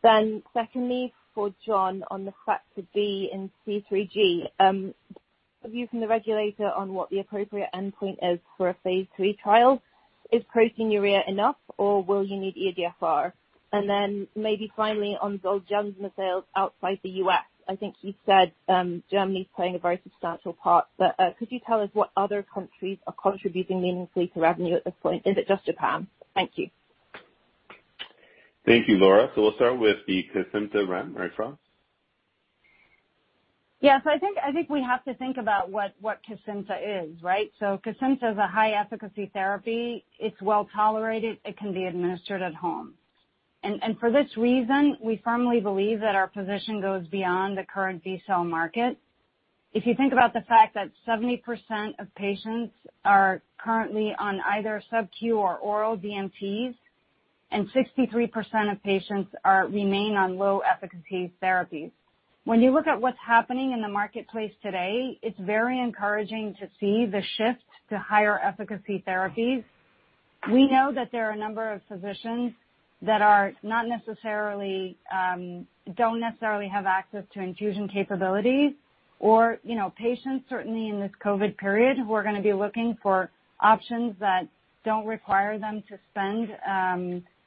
Secondly, for John, on the factor B in C3G, have you from the regulator on what the appropriate endpoint is for a phase III trial? Is proteinuria enough or will you need eGFR? Then maybe finally on ZOLGENSMA sales outside the U.S. I think you said Germany's playing a very substantial part, but could you tell us what other countries are contributing meaningfully to revenue at this point? Is it just Japan? Thank you. Thank you, Laura. We'll start with the KISQALI ramp, Marie-France. Yes. I think we have to think about what KESIMPTA is, right? KESIMPTA is a high efficacy therapy. It's well-tolerated. It can be administered at home. For this reason, we firmly believe that our position goes beyond the current B-cell market. If you think about the fact that 70% of patients are currently on either sub-Q or oral DMTs and 63% of patients remain on low efficacy therapies. When you look at what's happening in the marketplace today, it's very encouraging to see the shift to higher efficacy therapies. We know that there are a number of physicians that don't necessarily have access to infusion capabilities or patients certainly in this COVID period, who are going to be looking for options that don't require them to spend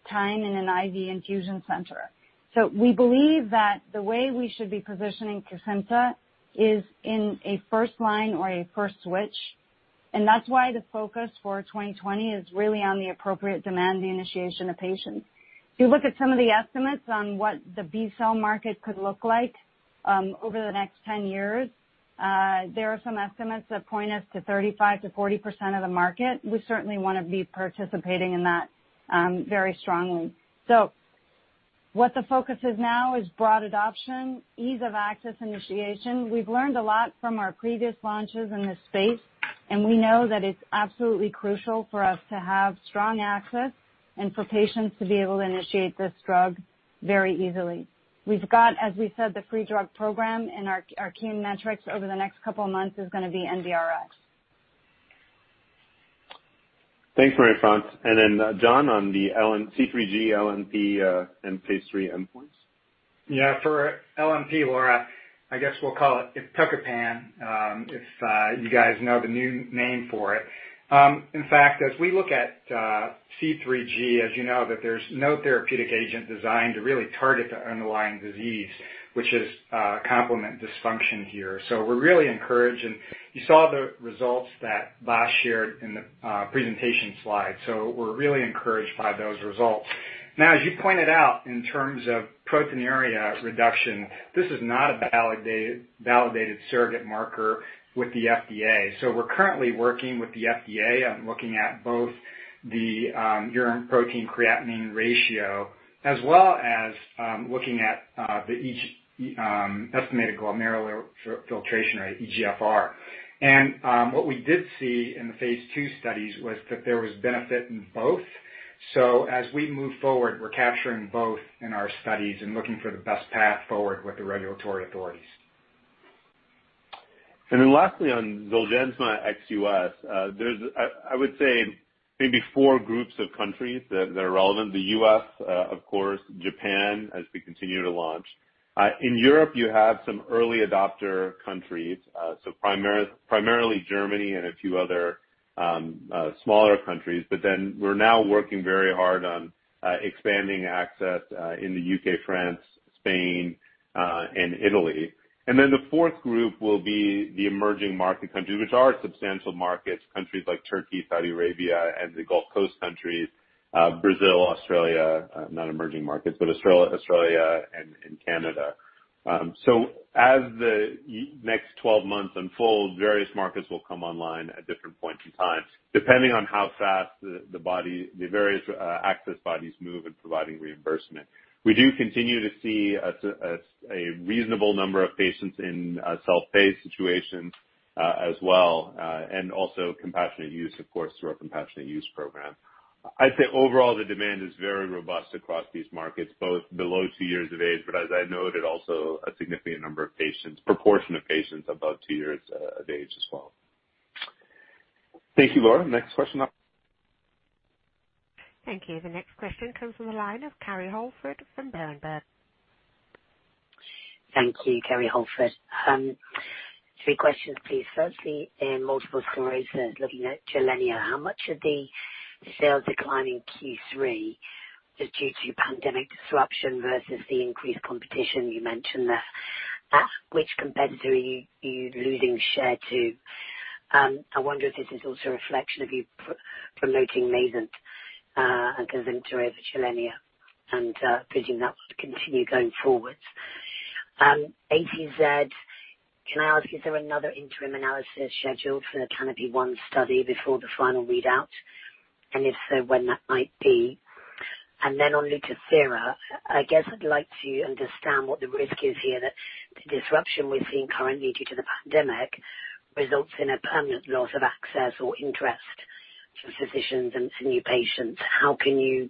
time in an IV infusion center. We believe that the way we should be positioning KESIMPTA is in a first line or a first switch. That's why the focus for 2020 is really on the appropriate demand, the initiation of patients. If you look at some of the estimates on what the B-cell market could look like over the next 10 years, there are some estimates that point us to 35%-40% of the market. We certainly want to be participating in that very strongly. What the focus is now is broad adoption, ease of access initiation. We've learned a lot from our previous launches in this space, and we know that it's absolutely crucial for us to have strong access and for patients to be able to initiate this drug very easily. We've got, as we said, the free drug program and our key metrics over the next couple of months is going to be NBRx. Thanks, Marie-France. Then John, on the C3G, LNP and phase III endpoints. For LNP, Laura, I guess we'll call it iptacopan, if you guys know the new name for it. In fact, as we look at C3G, as you know that there's no therapeutic agent designed to really target the underlying disease, which is complement dysfunction here. We're really encouraged. You saw the results that Vas shared in the presentation slide. We're really encouraged by those results. Now, as you pointed out, in terms of proteinuria reduction, this is not a validated surrogate marker with the FDA. We're currently working with the FDA on looking at both the urine protein creatinine ratio as well as looking at the estimated glomerular filtration rate, eGFR. What we did see in the phase II studies was that there was benefit in both. As we move forward, we're capturing both in our studies and looking for the best path forward with the regulatory authorities. Lastly on ZOLGENSMA ex-U.S., there's I would say maybe four groups of countries that are relevant. The U.S., of course, Japan, as we continue to launch. In Europe, you have some early adopter countries, so primarily Germany and a few other smaller countries. We're now working very hard on expanding access in the U.K., France, Spain, and Italy. The fourth group will be the emerging market countries, which are substantial markets. Countries like Turkey, Saudi Arabia, and the Gulf Coast countries. Brazil, Australia, not emerging markets, but Australia, and Canada. As the next 12 months unfold, various markets will come online at different points in time, depending on how fast the various access bodies move in providing reimbursement. We do continue to see a reasonable number of patients in self-pay situations as well. Also compassionate use, of course, through our compassionate use program. I'd say overall the demand is very robust across these markets, both below two years of age. As I noted, also a significant number of patients, proportion of patients above two years of age as well. Thank you, Laura. Next question. Thank you. The next question comes from the line of Kerry Holford from Berenberg. Thank you. Kerry Holford. Three questions, please. In multiple sclerosis, looking at GILENYA, how much of the sales decline in Q3 is due to pandemic disruption versus the increased competition you mentioned there. Which competitor are you losing share to? I wonder if this is also a reflection of you promoting MAYZENT and KESIMPTA over GILENYA. Presume that would continue going forward. [ATZ], can I ask, is there another interim analysis scheduled for the CANOPY-1 study before the final readout? If so, when that might be? On LUTATHERA, I guess I'd like to understand what the risk is here that the disruption we're seeing currently due to the pandemic results in a permanent loss of access or interest to physicians and to new patients. How can you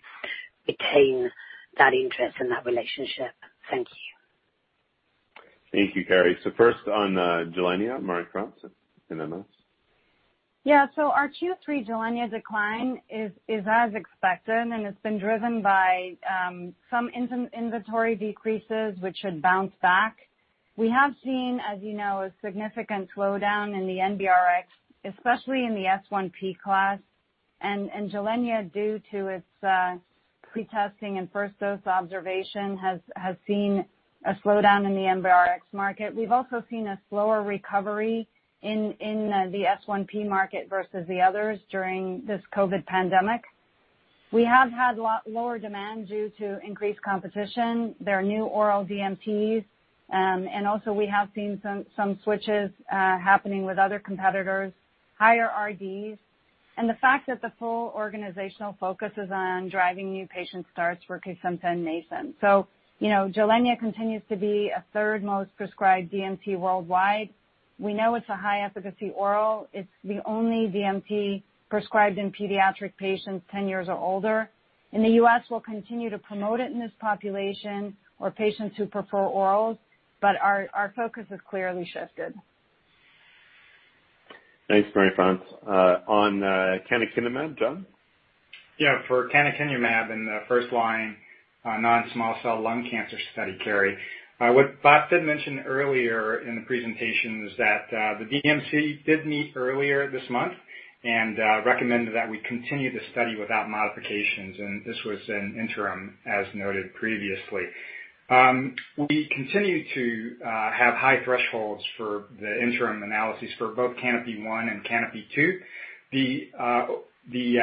retain that interest and that relationship? Thank you. Thank you, Kerry. First on GILENYA, Marie-France and then others. Yeah. Our Q3 GILENYA decline is as expected, and it's been driven by some inventory decreases, which should bounce back. We have seen, as you know, a significant slowdown in the NBRx, especially in the S1P class. GILENYA, due to its pre-testing and first dose observation, has seen a slowdown in the NBRx market. We've also seen a slower recovery in the S1P market versus the others during this COVID pandemic. We have had lower demand due to increased competition. There are new oral DMTs. Also we have seen some switches happening with other competitors, higher RDs, and the fact that the full organizational focus is on driving new patient starts for KESIMPTA and MAYZENT. GILENYA continues to be a third most prescribed DMT worldwide. We know it's a high efficacy oral. It's the only DMT prescribed in pediatric patients 10 years or older. In the U.S., we'll continue to promote it in this population or patients who prefer orals, but our focus has clearly shifted. Thanks, Marie-France. On canakinumab, John? Yeah. For canakinumab in the first line non-small cell lung cancer study, Kerry, what Vas did mention earlier in the presentation is that the DMC did meet earlier this month and recommended that we continue the study without modifications, and this was in interim, as noted previously. We continue to have high thresholds for the interim analyses for both CANOPY-1 and CANOPY-2. The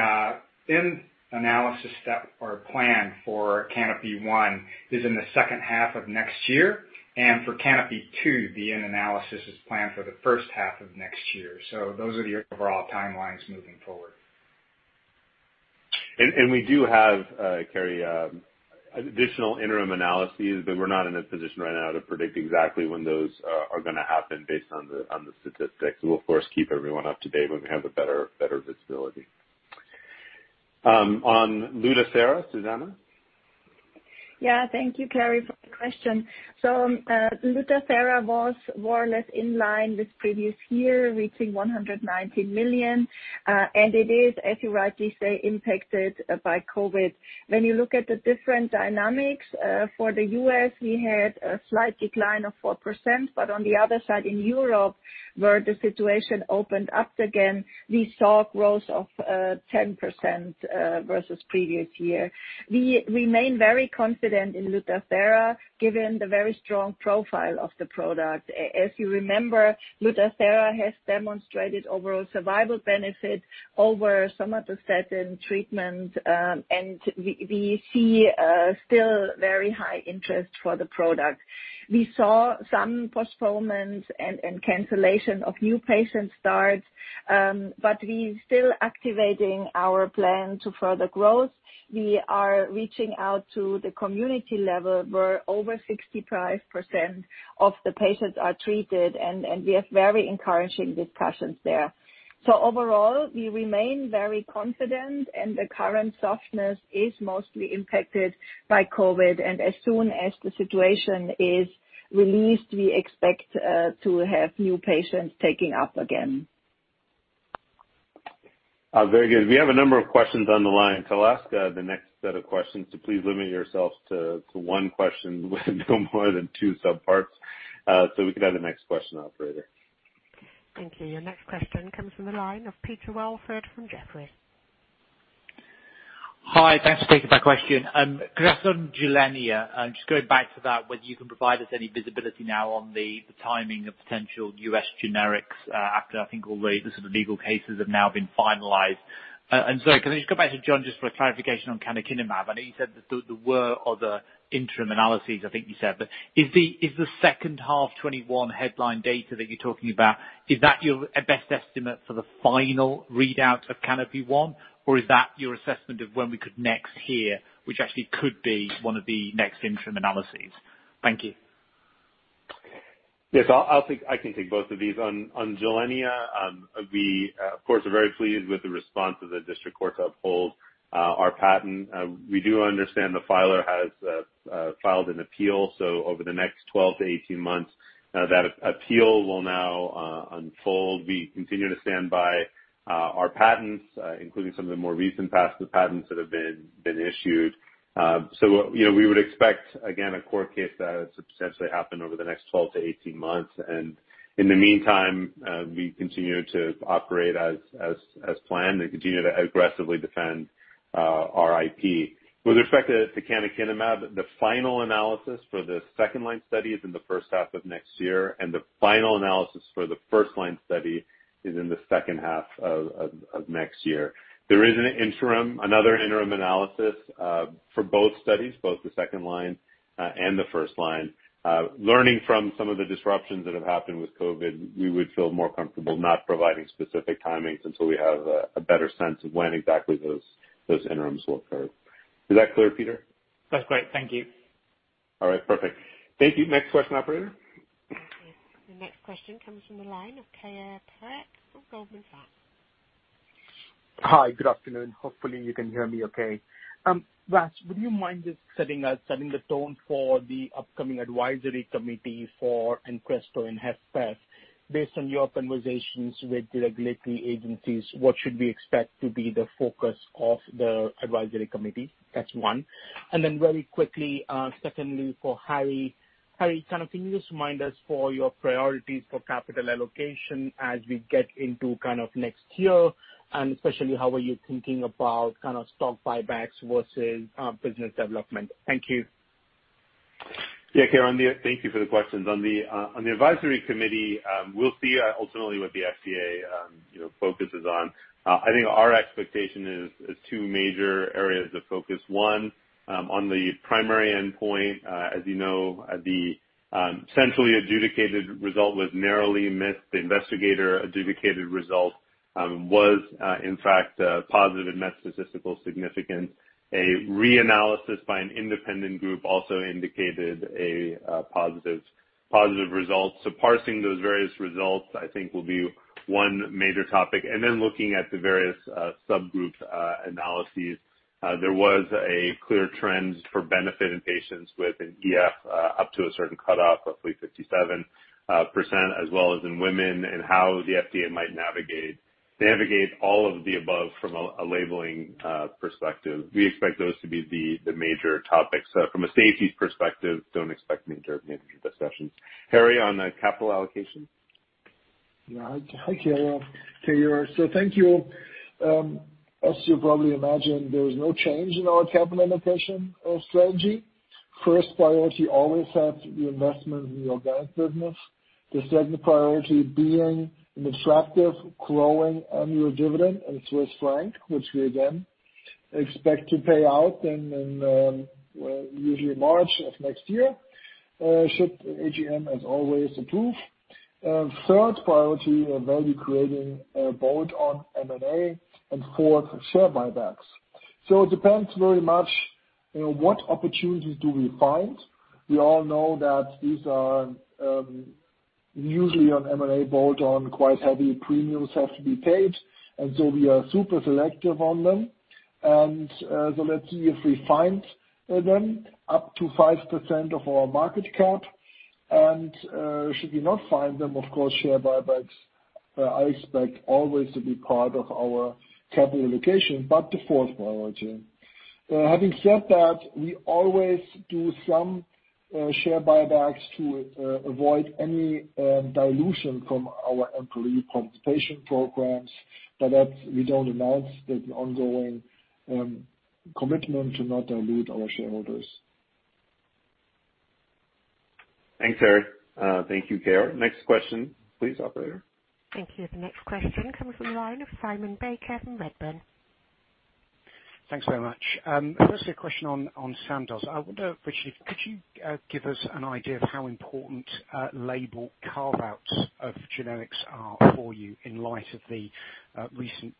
end analysis step or plan for CANOPY-1 is in the second half of next year. For CANOPY-2, the end analysis is planned for the first half of next year. Those are the overall timelines moving forward. We do have, Kerry, additional interim analyses, but we're not in a position right now to predict exactly when those are going to happen based on the statistics. We'll, of course, keep everyone up to date when we have a better visibility. On LUTATHERA, Susanne? Thank you, Kerry, for the question. LUTATHERA was more or less in line with previous year, reaching 190 million. It is, as you rightly say, impacted by COVID. When you look at the different dynamics, for the U.S., we had a slight decline of 4%, on the other side, in Europe, where the situation opened up again, we saw growth of 10% versus previous year. We remain very confident in LUTATHERA given the very strong profile of the product. As you remember, LUTATHERA has demonstrated overall survival benefit over somatostatin treatment, and we see still very high interest for the product. We saw some postponements and cancellation of new patient starts, but we still activating our plan to further growth. We are reaching out to the community level, where over 65% of the patients are treated, and we have very encouraging discussions there. Overall, we remain very confident and the current softness is mostly impacted by COVID. As soon as the situation is released, we expect to have new patients taking up again. Very good. We have a number of questions on the line. I'll ask the next set of questions, so please limit yourselves to one question with no more than two sub-parts. We can have the next question operator. Thank you. Your next question comes from the line of Peter Welford from Jefferies. Hi, thanks for taking my question. Could I ask on GILENYA, just going back to that, whether you can provide us any visibility now on the timing of potential U.S. generics, after I think all the sort of legal cases have now been finalized. Sorry, can I just go back to John just for a clarification on canakinumab? I know you said that there were other interim analyses, I think you said, is the second half 2021 headline data that you're talking about, is that your best estimate for the final readout of CANOPY-1? Is that your assessment of when we could next hear, which actually could be one of the next interim analyses? Thank you. Yes, I can take both of these. On GILENYA, we of course, are very pleased with the response of the district court to uphold our patent. We do understand the filer has filed an appeal, so over the next 12 to 18 months, that appeal will now unfold. We continue to stand by our patents, including some of the more recent patents that have been issued. We would expect, again, a court case to substantially happen over the next 12 to 18 months. In the meantime, we continue to operate as planned and continue to aggressively defend our IP. With respect to canakinumab, the final analysis for the second-line study is in the first half of next year, and the final analysis for the first-line study is in the second half of next year. There is another interim analysis for both studies, both the second line and the first line. Learning from some of the disruptions that have happened with COVID, we would feel more comfortable not providing specific timings until we have a better sense of when exactly those interims will occur. Is that clear, Peter? That's great. Thank you. All right. Perfect. Thank you. Next question, operator. Thank you. The next question comes from the line of Keyur Parekh from Goldman Sachs. Hi. Good afternoon. Hopefully you can hear me okay. Vas, would you mind just setting the tone for the upcoming advisory committee for ENTRESTO and HFrEF based on your conversations with the regulatory agencies, what should we expect to be the focus of the advisory committee? That's one. Very quickly, secondly, for Harry. Harry, can you just remind us for your priorities for capital allocation as we get into next year and especially how are you thinking about stock buybacks versus business development? Thank you. Keyur, thank you for the questions. On the advisory committee, we'll see ultimately what the FDA focuses on. I think our expectation is two major areas of focus. One, on the primary endpoint. As you know, the centrally adjudicated result was narrowly missed. The investigator-adjudicated result was, in fact, positive and met statistical significance. A reanalysis by an independent group also indicated a positive result. Parsing those various results, I think will be one major topic. Looking at the various subgroups analyses. There was a clear trend for benefit in patients with an EF up to a certain cutoff, roughly 57%, as well as in women and how the FDA might navigate all of the above from a labeling perspective. We expect those to be the major topics. From a safety perspective, don't expect major discussions. Harry, on the capital allocation. Hi, Keyur. Thank you. As you probably imagine, there is no change in our capital allocation or strategy. First priority always has to be investment in the organic business. The second priority being an attractive growing annual dividend in Swiss franc, which we then expect to pay out in usually March of next year, should the AGM as always approve. Third priority will be creating a vote on M&A and fourth, share buybacks. It depends very much what opportunities do we find. We all know that these are usually on M&A bolt on, quite heavy premiums have to be paid, and so we are super selective on them. Let's see if we find them up to 5% of our market cap. Should we not find them, of course, share buybacks I expect always to be part of our capital allocation, but the fourth priority. Having said that, we always do some share buybacks to avoid any dilution from our employee compensation programs. That we don't announce that ongoing commitment to not dilute our shareholders. Thanks, Harry. Thank you, Keyur. Next question, please, operator. Thank you. The next question comes from the line of Simon Baker from Redburn. Thanks very much. Firstly, a question on Sandoz. I wonder, Richard, could you give us an idea of how important label carve-outs of generics are for you in light of the recent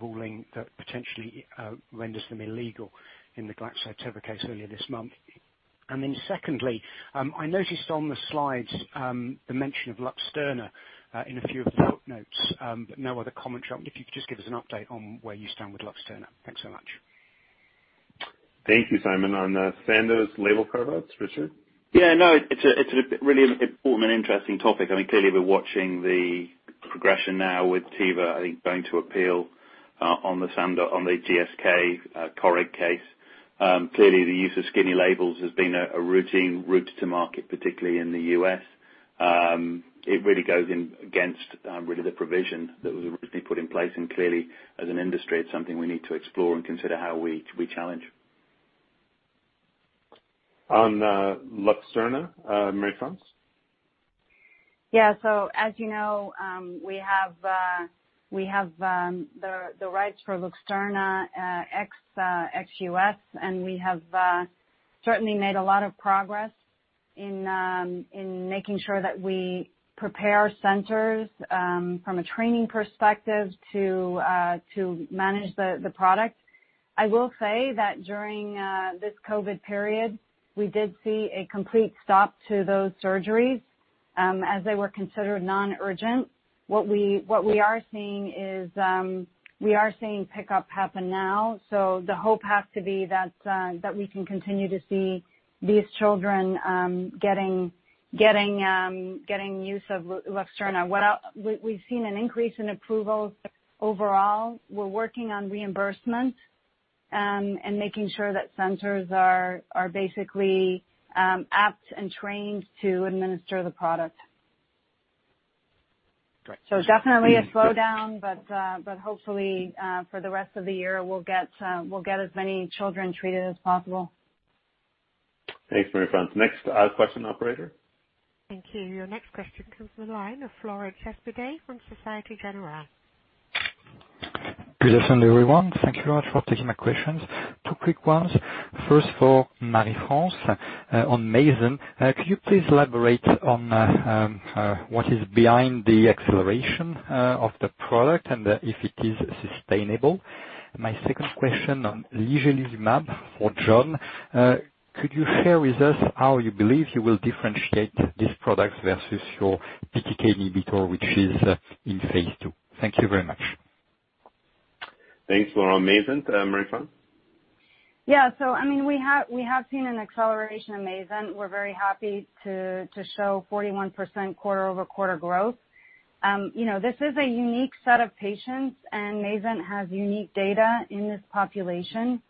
ruling that potentially renders them illegal in the GlaxoSmithKline-Teva case earlier this month? Secondly, I noticed on the slides the mention of LUXTURNA in a few of the footnotes, but no other commentary. If you could just give us an update on where you stand with LUXTURNA. Thanks so much. Thank you, Simon. On Sandoz label carve-outs, Richard? Yeah, no, it's a really important and interesting topic. I mean, clearly, we're watching the progression now with Teva, I think going to appeal on the GSK Coreg case. Clearly the use of skinny labels has been a routine route to market, particularly in the U.S. It really goes against the provision that was originally put in place and clearly as an industry it's something we need to explore and consider how we challenge. On LUXTURNA, Marie-France? As you know, we have the rights for LUXTURNA ex-U.S., and we have certainly made a lot of progress in making sure that we prepare centers from a training perspective to manage the product. I will say that during this COVID period, we did see a complete stop to those surgeries as they were considered non-urgent. What we are seeing is pickup happen now. The hope has to be that we can continue to see these children getting use of LUXTURNA. We've seen an increase in approvals overall. We're working on reimbursement and making sure that centers are basically apt and trained to administer the product. Great. Definitely a slowdown, but hopefully, for the rest of the year, we'll get as many children treated as possible. Thanks, Marie-France. Next question, operator. Thank you. Your next question comes from the line of Florent Cespedes from Société Générale. Good afternoon, everyone. Thank you very much for taking my questions. Two quick ones. First, for Marie-France on MAYZENT. Could you please elaborate on what is behind the acceleration of the product? If it is sustainable? My second question on ligelizumab for John. Could you share with us how you believe you will differentiate this product versus your BTK inhibitor, which is in phase II? Thank you very much. Thanks, Florent. MAYZENT to Marie-France. We have seen an acceleration in MAYZENT. We're very happy to show 41% quarter-over-quarter growth. This is a unique set of patients, and MAYZENT has unique data in this population,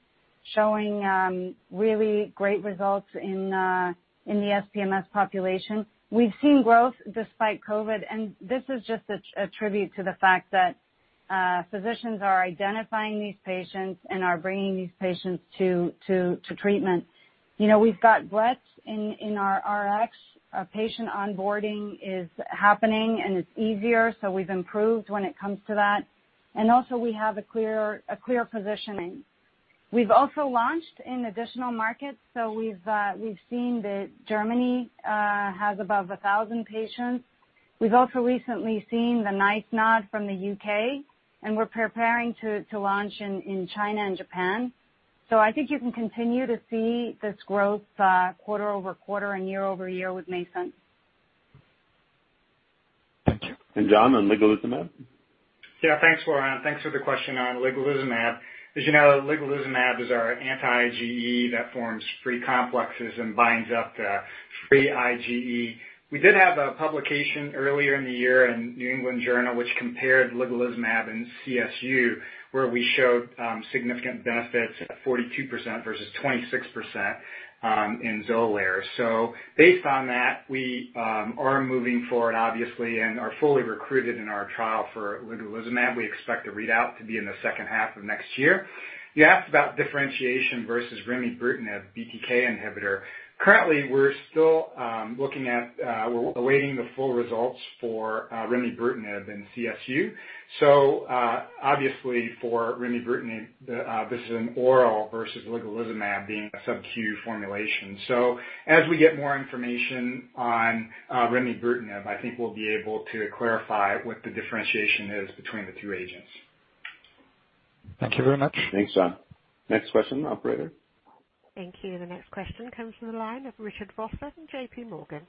showing really great results in the SPMS population. We've seen growth despite COVID, and this is just a tribute to the fact that physicians are identifying these patients and are bringing these patients to treatment. We've got breadth in our Rx. Patient onboarding is happening, and it's easier, so we've improved when it comes to that. We have a clear positioning. We've also launched in additional markets. We've seen that Germany has above 1,000 patients. We've also recently seen the NICE nod from the U.K., and we're preparing to launch in China and Japan. I think you can continue to see this growth quarter-over-quarter and year-over-year with MAYZENT. Thank you. John, on ligelizumab. Thanks, Florent. Thanks for the question on ligelizumab. As you know, ligelizumab is our anti-IgE that forms free complexes and binds up the free IgE. We did have a publication earlier in the year in New England Journal, which compared ligelizumab and CSU, where we showed significant benefits at 42% versus 26% in XOLAIR. Based on that, we are moving forward, obviously, and are fully recruited in our trial for ligelizumab. We expect the readout to be in the second half of next year. You asked about differentiation versus remibrutinib BTK inhibitor. Currently, we're still awaiting the full results for remibrutinib in CSU. Obviously for remibrutinib, this is an oral versus ligelizumab being a sub-Q formulation. As we get more information on remibrutinib, I think we'll be able to clarify what the differentiation is between the two agents. Thank you very much. Thanks, John. Next question, operator. Thank you. The next question comes from the line of Richard Vosser from JP Morgan.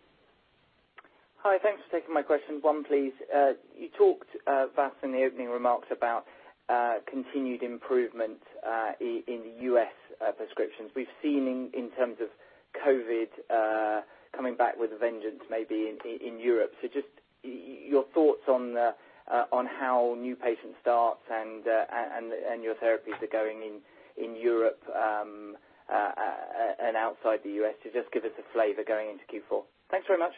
Hi. Thanks for taking my question. One, please. You talked, Vas, in the opening remarks about continued improvement in the U.S. prescriptions. We've seen in terms of COVID coming back with a vengeance, maybe in Europe. Just your thoughts on how new patient starts and your therapies are going in Europe and outside the U.S. Just give us a flavor going into Q4. Thanks very much.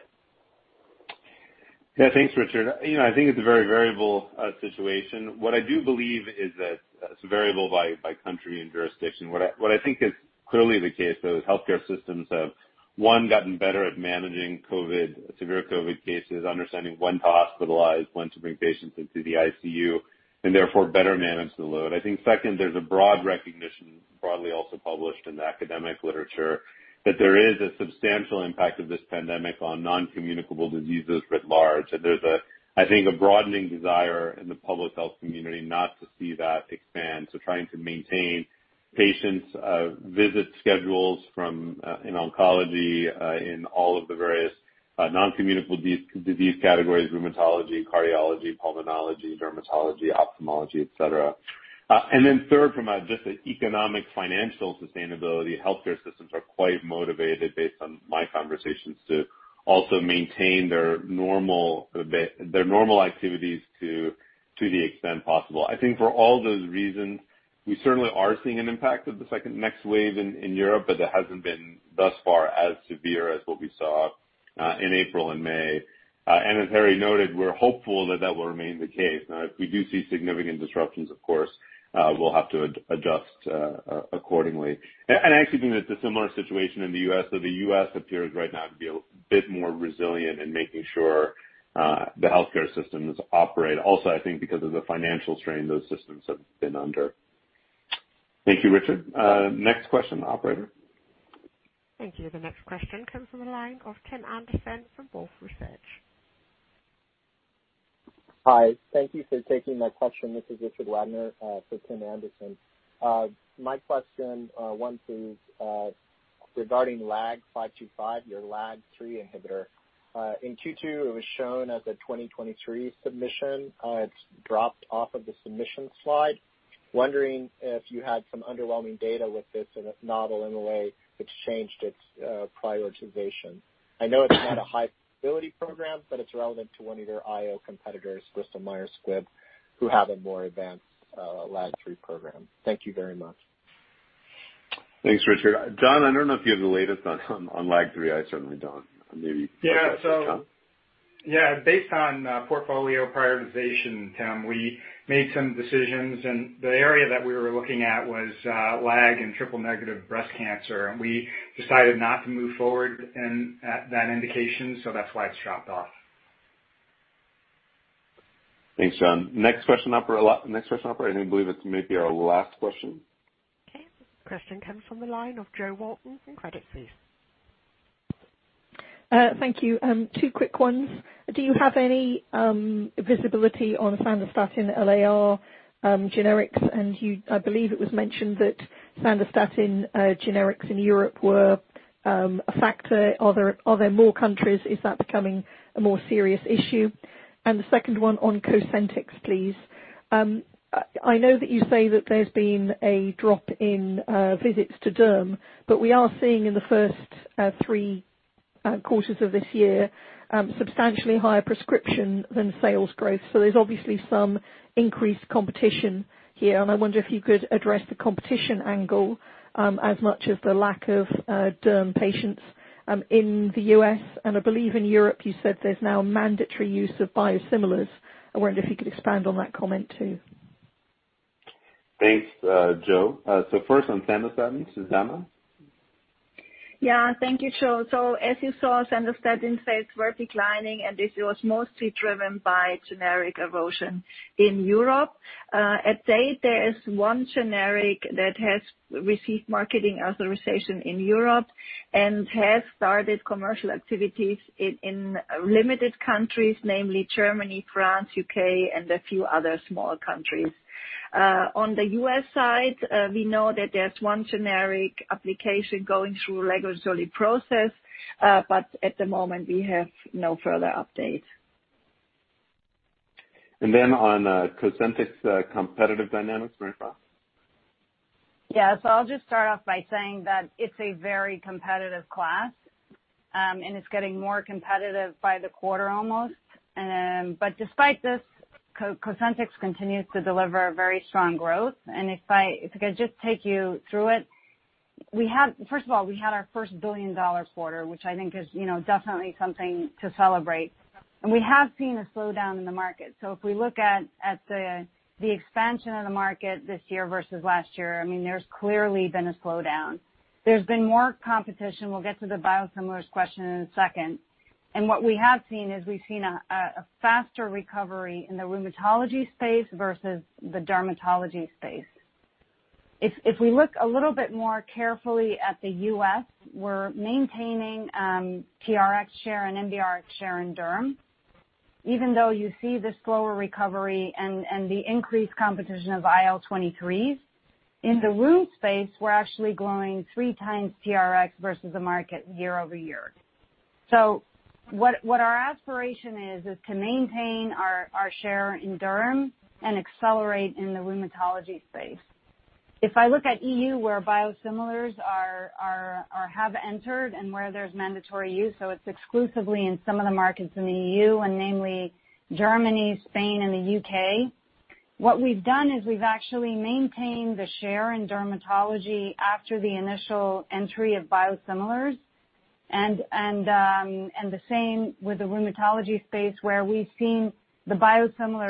Thanks, Richard. I think it's a very variable situation. What I do believe is that it's variable by country and jurisdiction. What I think is clearly the case, though, is healthcare systems have, one, gotten better at managing COVID, severe COVID cases, understanding when to hospitalize, when to bring patients into the ICU, and therefore better manage the load. I think second, there's a broad recognition, broadly also published in the academic literature, that there is a substantial impact of this pandemic on non-communicable diseases writ large. There's, I think, a broadening desire in the public health community not to see that expand. So, trying to maintain patients' visit schedules from in oncology, in all of the various non-communicable disease categories, rheumatology, cardiology, pulmonology, dermatology, ophthalmology, et cetera. Third, from a just an economic financial sustainability, healthcare systems are quite motivated based on my conversations, to also maintain their normal activities to the extent possible. I think for all those reasons, we certainly are seeing an impact of the second next wave in Europe, that hasn't been thus far as severe as what we saw in April and May. As Harry noted, we're hopeful that that will remain the case. If we do see significant disruptions, of course, we'll have to adjust accordingly. I actually think that it's a similar situation in the U.S. The U.S. appears right now to be a bit more resilient in making sure the healthcare systems operate. I think because of the financial strain those systems have been under. Thank you, Richard. Next question, operator. Thank you. The next question comes from the line of Tim Anderson from Wolfe Research. Hi. Thank you for taking my question. This is Richard Wagner for Tim Anderson. My question, one, is regarding LAG525, your LAG-3 inhibitor. In Q2, it was shown as a 2023 submission. It's dropped off of the submission slide. Wondering if you had some underwhelming data with this and if Novartis, in a way, exchanged its prioritization. I know it's not a high visibility program, but it's relevant to one of your IO competitors, Bristol Myers Squibb, who have a more advanced LAG-3 program. Thank you very much. Thanks, Richard. John, I don't know if you have the latest on LAG-3. I certainly don't. Yeah. John? Yeah. Based on portfolio prioritization, Tim, we made some decisions. The area that we were looking at was LAG and triple negative breast cancer. We decided not to move forward in that indication. That's why it's dropped off. Thanks, John. Next question up, I believe it may be our last question. Okay. This question comes from the line of Jo Walton from Credit Suisse. Thank you. Two quick ones. Do you have any visibility on SANDOSTATIN LAR generics? You, I believe it was mentioned that SANDOSTATIN generics in Europe were a factor. Are there more countries? Is that becoming a more serious issue? The second one on COSENTYX, please. I know that you say that there's been a drop in visits to Derm, we are seeing in the first three quarters of this year, substantially higher prescription than sales growth. There's obviously some increased competition here, and I wonder if you could address the competition angle, as much as the lack of Derm patients, in the U.S. I believe in Europe, you said there's now mandatory use of biosimilars. I wondered if you could expand on that comment too. Thanks, Jo. First on SANDOSTATIN, Susanne. Thank you, Jo. As you saw, SANDOSTATIN sales were declining, and this was mostly driven by generic erosion in Europe. To date, there is one generic that has received marketing authorization in Europe and has started commercial activities in limited countries, namely Germany, France, U.K., and a few other small countries. On the U.S. side, we know that there's one generic application going through regulatory process. At the moment, we have no further update. On COSENTYX competitive dynamics, Marie-France. Yeah. I'll just start off by saying that it's a very competitive class, and it's getting more competitive by the quarter almost. Despite this, COSENTYX continues to deliver very strong growth. If I could just take you through it. First of all, we had our first billion-dollar quarter, which I think is definitely something to celebrate. We have seen a slowdown in the market. If we look at the expansion of the market this year versus last year, there's clearly been a slowdown. There's been more competition. We'll get to the biosimilars question in a second. What we have seen is we've seen a faster recovery in the rheumatology space versus the dermatology space. If we look a little bit more carefully at the U.S., we're maintaining TRx share and NBRx share in Derm, even though you see the slower recovery and the increased competition of IL-23s. In the rheum space, we're actually growing 3x TRx versus the market year-over-year. What our aspiration is to maintain our share in Derm and accelerate in the rheumatology space. If I look at E.U., where biosimilars have entered and where there's mandatory use, so it's exclusively in some of the markets in the E.U. and namely Germany, Spain, and the U.K. What we've done is we've actually maintained the share in dermatology after the initial entry of biosimilars and the same with the rheumatology space where we've seen the biosimilar